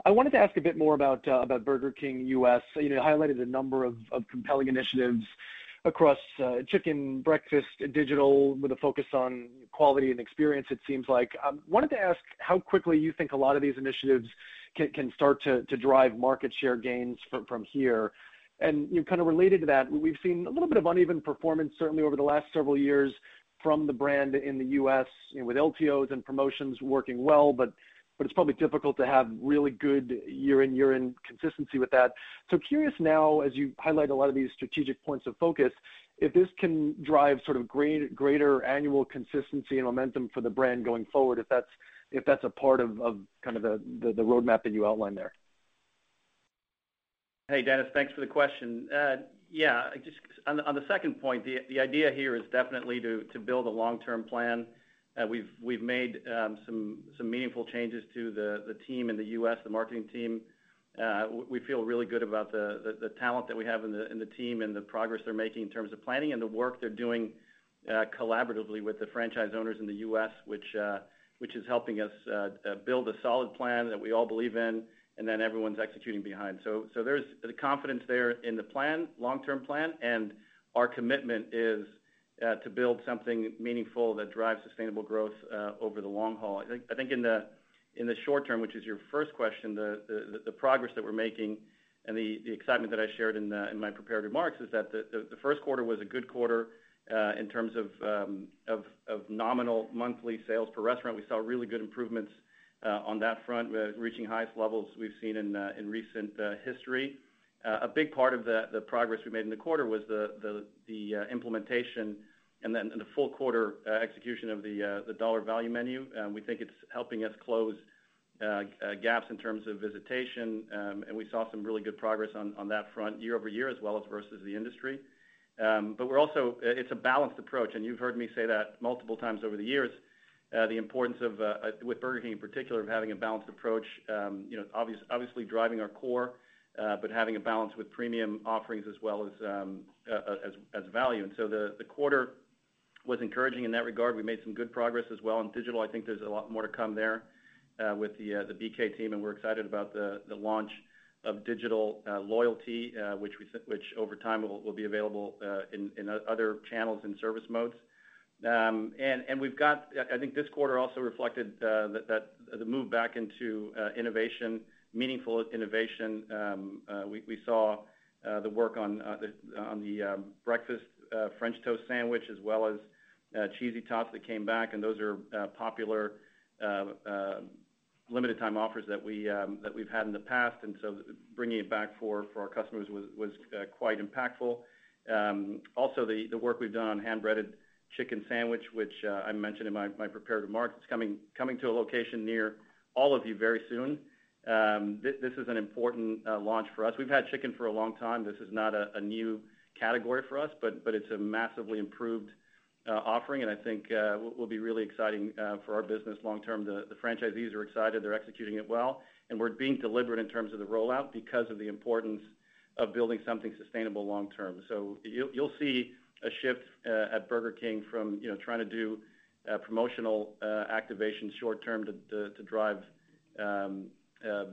I wanted to ask a bit more about Burger King U.S. You highlighted a number of compelling initiatives across chicken, breakfast, and digital with a focus on quality and experience, it seems like. I wanted to ask how quickly you think a lot of these initiatives can start to drive market share gains from here. Related to that, we've seen a little bit of uneven performance, certainly over the last several years from the brand in the U.S. with LTOs and promotions working well, but it's probably difficult to have really good year in consistency with that. Curious now, as you highlight a lot of these strategic points of focus, if this can drive greater annual consistency and momentum for the brand going forward, if that's a part of the roadmap that you outlined there. Hey, Dennis. Thanks for the question. Yeah. On the second point, the idea here is definitely to build a long-term plan. We've made some meaningful changes to the team in the U.S., the marketing team. We feel really good about the talent that we have in the team and the progress they're making in terms of planning and the work they're doing collaboratively with the franchise owners in the U.S., which is helping us build a solid plan that we all believe in, and that everyone's executing behind. There's the confidence there in the long-term plan, and our commitment is to build something meaningful that drives sustainable growth over the long haul. I think in the short term, which is your first question, the progress that we're making and the excitement that I shared in my prepared remarks is that the first quarter was a good quarter in terms of nominal monthly sales per restaurant. We saw really good improvements on that front, reaching highest levels we've seen in recent history. A big part of the progress we made in the quarter was the implementation and then the full quarter execution of the dollar value menu. We think it's helping us close gaps in terms of visitation. We saw some really good progress on that front year-over-year as well as versus the industry. It's a balanced approach, and you've heard me say that multiple times over the years, the importance with Burger King in particular, of having a balanced approach. Driving our core, but having a balance with premium offerings as well as value. The quarter was encouraging in that regard. We made some good progress as well in digital. There's a lot more to come there with the Burger King team, and we're excited about the launch of Royal Perks, which over time will be available in other channels and service modes. This quarter also reflected the move back into meaningful innovation. We saw the work on the breakfast French toast sandwich as well as Cheesy Tots that came back, and those are popular limited-time offers that we've had in the past. Bringing it back for our customers was quite impactful. Also, the work we've done on hand-breaded chicken sandwich, which I mentioned in my prepared remarks. It's coming to a location near all of you very soon. This is an important launch for us. We've had chicken for a long time. This is not a new category for us, but it's a massively improved offering, and I think will be really exciting for our business long term. The franchisees are excited. They're executing it well, and we're being deliberate in terms of the rollout because of the importance of building something sustainable long term. You'll see a shift at Burger King from trying to do promotional activation short term to drive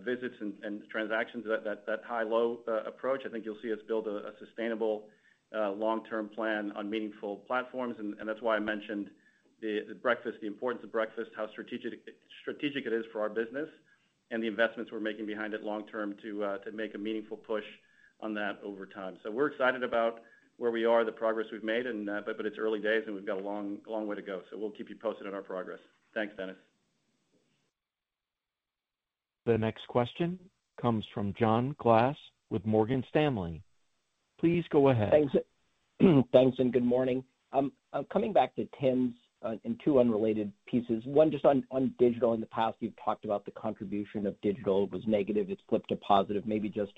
visits and transactions, that high-low approach. I think you'll see us build a sustainable, long-term plan on meaningful platforms. That's why I mentioned the importance of breakfast, how strategic it is for our business, and the investments we're making behind it long term to make a meaningful push on that over time. We're excited about where we are, the progress we've made, but it's early days, and we've got a long way to go. We'll keep you posted on our progress. Thanks, Dennis. The next question comes from John Glass with Morgan Stanley. Please go ahead. Thanks, and good morning. Coming back to Tim's in two unrelated pieces. One just on digital. In the past, you've talked about the contribution of digital. It was negative, it's flipped to positive. Maybe just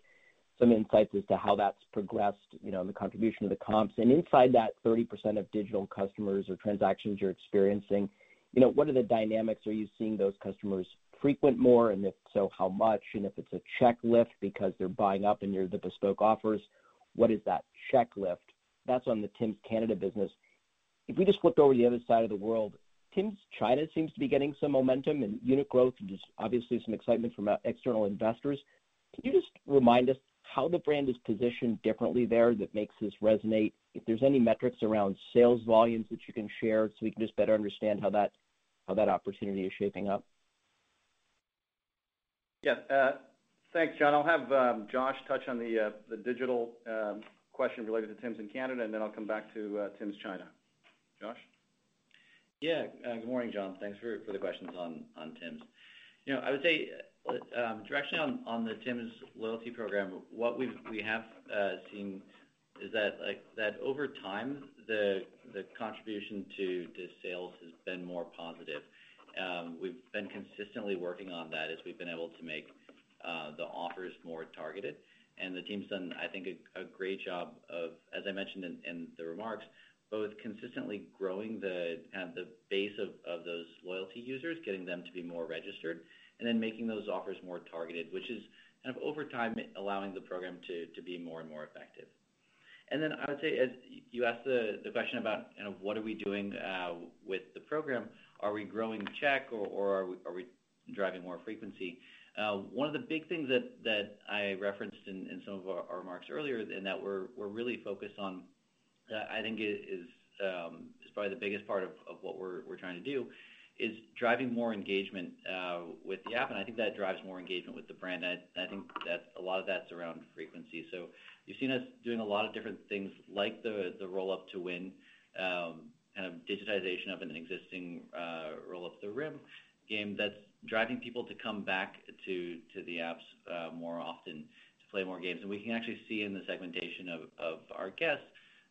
some insights as to how that's progressed in the contribution to the comps. Inside that 30% of digital customers or transactions you're experiencing, what are the dynamics? Are you seeing those customers frequent more? If so, how much? If it's a check lift because they're buying up and your bespoke offers, what is that check lift? That's on the Tim's Canada business. If we just flip over to the other side of the world, Tim's China seems to be getting some momentum and unit growth and just obviously some excitement from external investors. Can you just remind us how the brand is positioned differently there that makes this resonate? If there's any metrics around sales volumes that you can share so we can just better understand how that opportunity is shaping up. Yeah. Thanks, John. I'll have Joshua touch on the digital question related to Tim's in Canada, and then I'll come back to Tim's China. Joshua? Good morning, John. Thanks for the questions on Tim's. I would say directly on the Tim's loyalty program, what we have seen is that over time, the contribution to sales has been more positive. We've been consistently working on that as we've been able to make the offers more targeted. The team's done, I think, a great job of, as I mentioned in the remarks, both consistently growing the base of those loyalty users, getting them to be more registered, and then making those offers more targeted, which is over time allowing the program to be more and more effective. I would say, as you asked the question about what are we doing with the program, are we growing check or are we driving more frequency? One of the big things that I referenced in some of our remarks earlier and that we're really focused on, I think is probably the biggest part of what we're trying to do, is driving more engagement with the app. I think that drives more engagement with the brand. I think a lot of that's around frequency. You've seen us doing a lot of different things like the Roll Up to Win, kind of digitization of an existing Roll Up the Rim game that's driving people to come back to the apps more often to play more games. We can actually see in the segmentation of our guests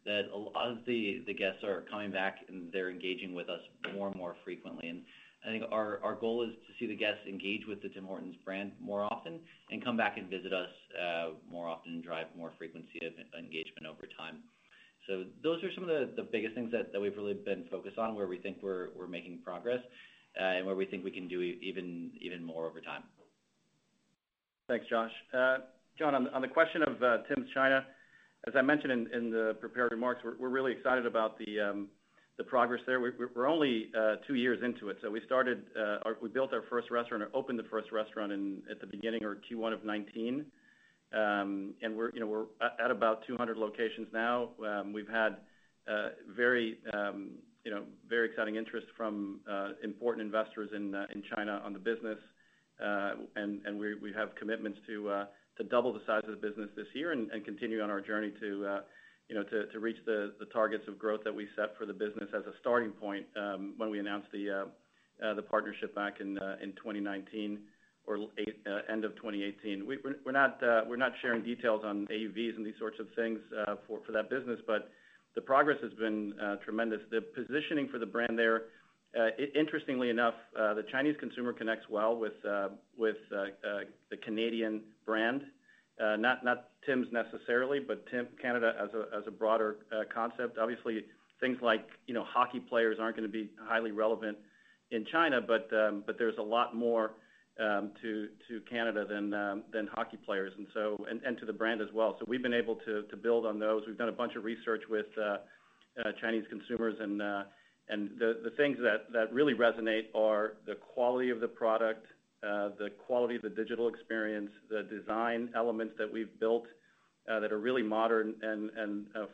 that a lot of the guests are coming back, and they're engaging with us more and more frequently. I think our goal is to see the guests engage with the Tim Hortons brand more often and come back and visit us more often and drive more frequency of engagement over time. Those are some of the biggest things that we've really been focused on, where we think we're making progress, and where we think we can do even more over time. Thanks, Joshua Kobza. John Glass, on the question of Tim Hortons China, as I mentioned in the prepared remarks, we're really excited about the progress there. We're only two years into it. We built our first restaurant or opened the first restaurant at the beginning of Q1 of 2019. We're at about 200 locations now. We've had very exciting interest from important investors in China on the business. We have commitments to double the size of the business this year and continue on our journey to reach the targets of growth that we set for the business as a starting point when we announced the partnership back in 2019 or end of 2018. We're not sharing details on AUVs and these sorts of things for that business, the progress has been tremendous. The positioning for the brand there, interestingly enough, the Chinese consumer connects well with the Canadian brand. Not Tim Hortons necessarily, but Tim Hortons Canada as a broader concept. Obviously, things like hockey players aren't going to be highly relevant in China, there's a lot more to Canada than hockey players, and to the brand as well. We've been able to build on those. We've done a bunch of research with Chinese consumers, the things that really resonate are the quality of the product, the quality of the digital experience, the design elements that we've built that are really modern and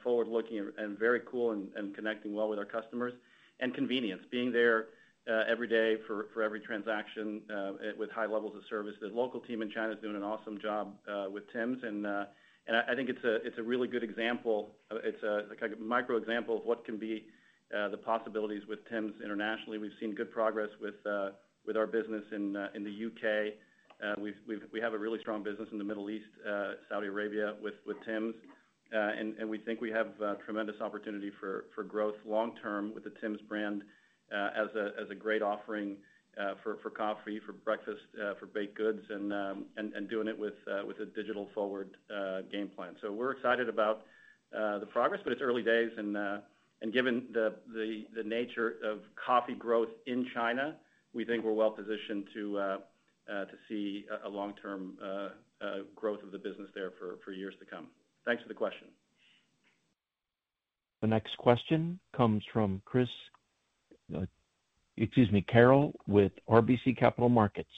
forward-looking and very cool and connecting well with our customers, and convenience. Being there every day for every transaction with high levels of service. The local team in China is doing an awesome job with Tim Hortons, I think it's a really good example. It's a micro example of what can be the possibilities with Tim Hortons internationally. We've seen good progress with our business in the U.K.. We have a really strong business in the Middle East, Saudi Arabia, with Tim's. We think we have tremendous opportunity for growth long term with the Tim's brand as a great offering for coffee, for breakfast, for baked goods, and doing it with a digital forward game plan. We're excited about the progress, but it's early days, and given the nature of coffee growth in China, we think we're well positioned to see a long-term growth of the business there for years to come. Thanks for the question. The next question comes from, excuse me, Christopher Carril with RBC Capital Markets.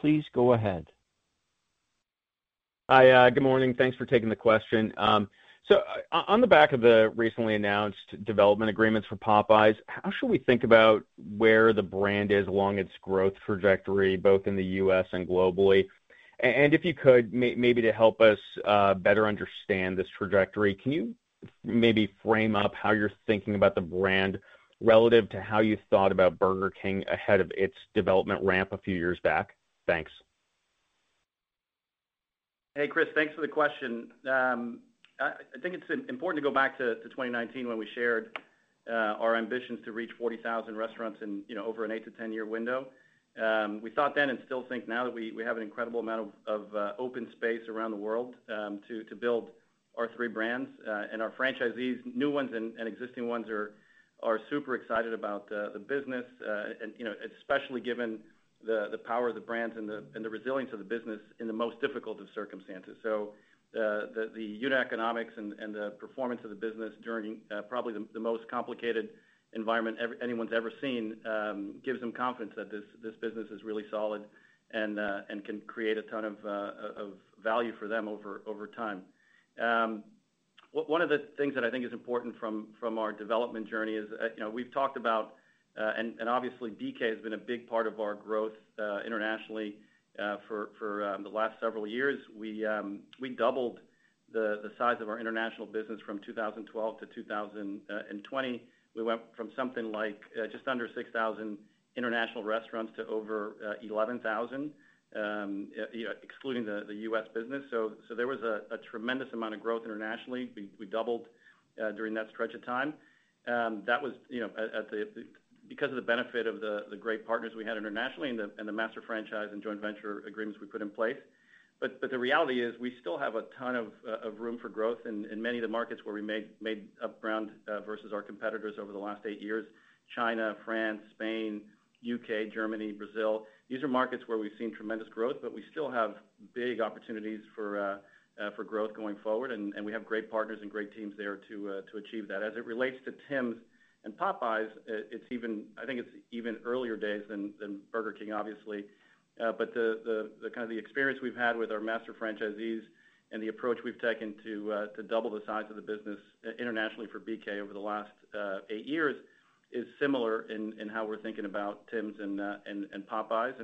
Please go ahead. Hi, good morning. Thanks for taking the question. On the back of the recently announced development agreements for Popeyes, how should we think about where the brand is along its growth trajectory, both in the U.S. and globally? If you could, maybe to help us better understand this trajectory, can you maybe frame up how you're thinking about the brand relative to how you thought about Burger King ahead of its development ramp a few years back? Thanks. Hey, Christopher. Thanks for the question. I think it's important to go back to 2019 when we shared our ambitions to reach 40,000 restaurants over an eight to 10-year window. We thought then and still think now that we have an incredible amount of open space around the world to build our three brands. Our franchisees, new ones and existing ones, are super excited about the business, especially given the power of the brands and the resilience of the business in the most difficult of circumstances. The unit economics and the performance of the business during probably the most complicated environment anyone's ever seen gives them confidence that this business is really solid and can create a ton of value for them over time. One of the things that I think is important from our development journey is we've talked about, and obviously BK has been a big part of our growth internationally for the last several years. We doubled the size of our international business from 2012-2020. We went from something like just under 6,000 international restaurants to over 11,000, excluding the U.S. business. There was a tremendous amount of growth internationally. We doubled during that stretch of time. Because of the benefit of the great partners we had internationally and the master franchise and joint venture agreements we put in place. The reality is we still have a ton of room for growth in many of the markets where we made up ground versus our competitors over the last eight years: China, France, Spain, U.K., Germany, Brazil. These are markets where we've seen tremendous growth, but we still have big opportunities for growth going forward, and we have great partners and great teams there to achieve that. As it relates to Tim's and Popeyes, I think it's even earlier days than Burger King, obviously. The experience we've had with our master franchisees and the approach we've taken to double the size of the business internationally for BK over the last eight years is similar in how we're thinking about Tim's and Popeyes.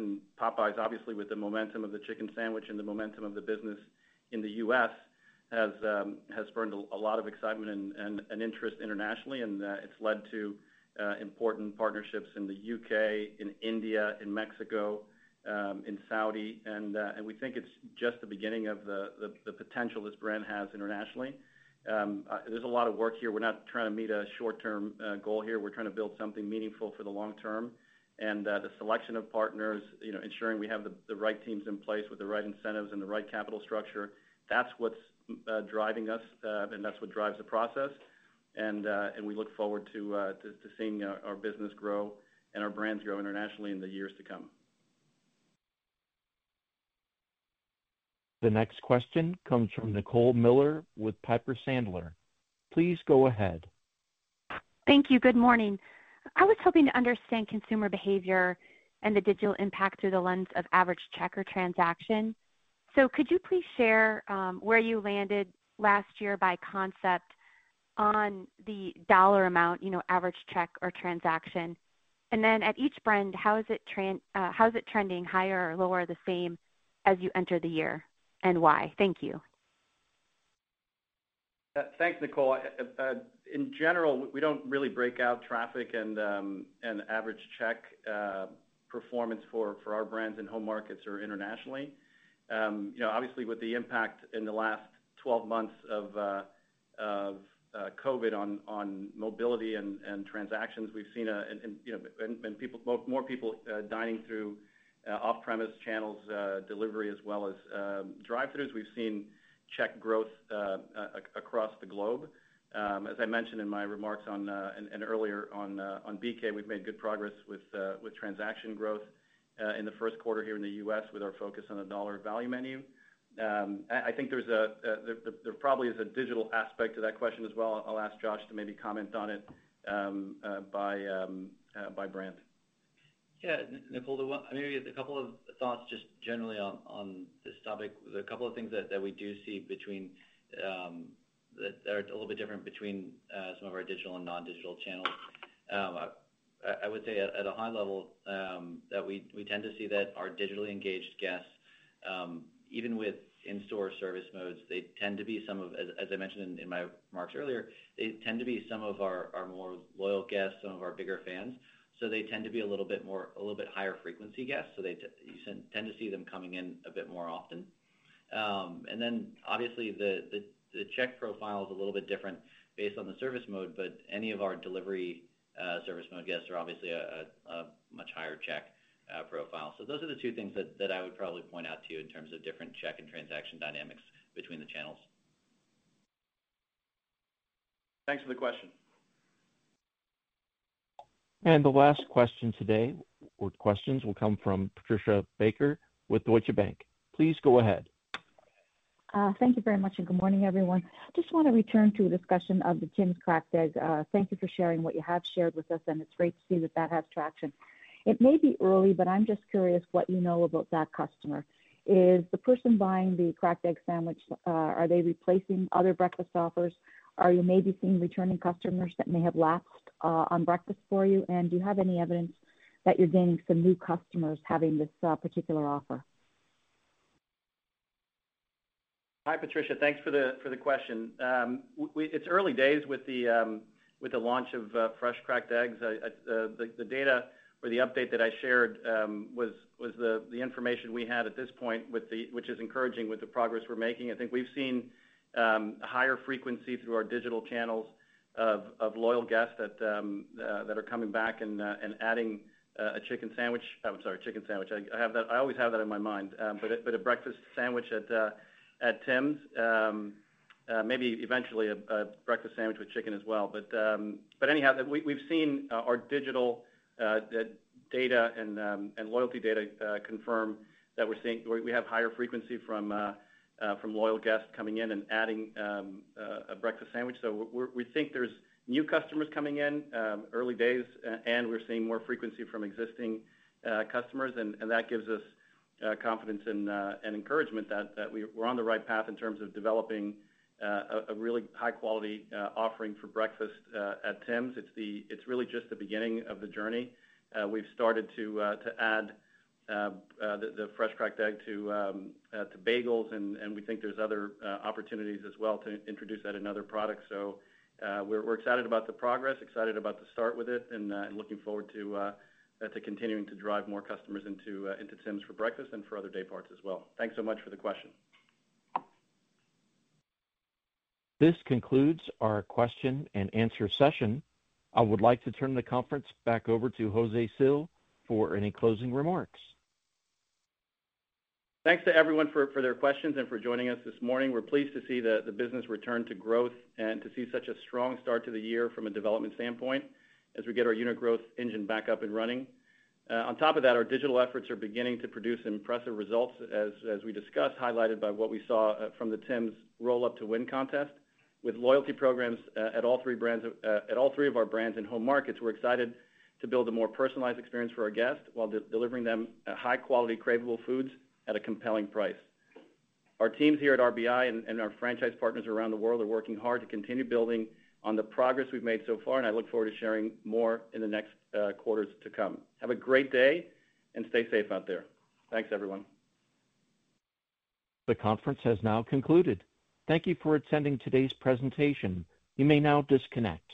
Popeyes, obviously, with the momentum of the chicken sandwich and the momentum of the business in the U.S., has spurned a lot of excitement and interest internationally. It's led to important partnerships in the U.K., in India, in Mexico, in Saudi. We think it's just the beginning of the potential this brand has internationally. There's a lot of work here. We're not trying to meet a short-term goal here. We're trying to build something meaningful for the long term. The selection of partners, ensuring we have the right teams in place with the right incentives and the right capital structure, that's what's driving us, and that's what drives the process. We look forward to seeing our business grow and our brands grow internationally in the years to come. The next question comes from Nicole Miller with Piper Sandler. Please go ahead. Thank you. Good morning. I was hoping to understand consumer behavior and the digital impact through the lens of average check or transaction. Could you please share where you landed last year by concept on the CAD amount, average check or transaction? At each brand, how is it trending, higher or lower, the same, as you enter the year, and why? Thank you. Thanks, Nicole. In general, we don't really break out traffic and average check performance for our brands in home markets or internationally. Obviously, with the impact in the last 12 months of COVID on mobility and transactions, we've seen more people dining through off-premise channels, delivery, as well as drive-throughs. We've seen check growth across the globe. As I mentioned in my remarks and earlier on BK, we've made good progress with transaction growth in the first quarter here in the U.S. with our focus on the dollar value menu. I think there probably is a digital aspect to that question as well. I'll ask Joshua to maybe comment on it by brand. Yeah, Nicole, maybe a couple of thoughts just generally on this topic. There are a couple of things that we do see that are a little bit different between some of our digital and non-digital channels. I would say at a high level, that we tend to see that our digitally engaged guests, even with in-store service modes, as I mentioned in my remarks earlier, they tend to be some of our more loyal guests, some of our bigger fans. They tend to be a little bit higher frequency guests, you tend to see them coming in a bit more often. Obviously the check profile is a little bit different based on the service mode, any of our delivery service mode guests are obviously a much higher check profile. Those are the two things that I would probably point out to you in terms of different check and transaction dynamics between the channels. Thanks for the question. The last question today, or questions, will come from Patricia Baker with Deutsche Bank. Please go ahead. Thank you very much. Good morning, everyone. Just want to return to a discussion of the Tim's Freshly Cracked Egg. Thank you for sharing what you have shared with us. It's great to see that that has traction. It may be early. I'm just curious what you know about that customer. Is the person buying the Freshly Cracked Egg sandwich, are they replacing other breakfast offers? Are you maybe seeing returning customers that may have lapsed on breakfast for you? Do you have any evidence that you're gaining some new customers having this particular offer? Hi, Patricia. Thanks for the question. It's early days with the launch of Freshly Cracked Eggs. The data or the update that I shared was the information we had at this point, which is encouraging with the progress we're making. I think we've seen higher frequency through our digital channels of loyal guests that are coming back and adding a chicken sandwich. I'm sorry, chicken sandwich. I always have that in my mind. A breakfast sandwich at Tim's. Maybe eventually a breakfast sandwich with chicken as well. Anyhow, we've seen our digital data and loyalty data confirm that we have higher frequency from loyal guests coming in and adding a breakfast sandwich. We think there's new customers coming in, early days, and we're seeing more frequency from existing customers, and that gives us confidence and encouragement that we're on the right path in terms of developing a really high-quality offering for breakfast at Tim's. It's really just the beginning of the journey. We've started to add the Freshly Cracked Egg to bagels, and we think there's other opportunities as well to introduce that in other products. We're excited about the progress, excited about the start with it, and looking forward to continuing to drive more customers into Tim's for breakfast and for other day parts as well. Thanks so much for the question. This concludes our question and answer session. I would like to turn the conference back over to José Cil for any closing remarks. Thanks to everyone for their questions and for joining us this morning. We're pleased to see the business return to growth and to see such a strong start to the year from a development standpoint as we get our unit growth engine back up and running. On top of that, our digital efforts are beginning to produce impressive results, as we discussed, highlighted by what we saw from the Tim's Roll Up to Win contest. With loyalty programs at all three of our brands in home markets, we're excited to build a more personalized experience for our guests while delivering them high-quality, Craveable foods at a compelling price. Our teams here at RBI and our franchise partners around the world are working hard to continue building on the progress we've made so far, and I look forward to sharing more in the next quarters to come. Have a great day, and stay safe out there. Thanks, everyone. The conference has now concluded. Thank you for attending today's presentation. You may now disconnect.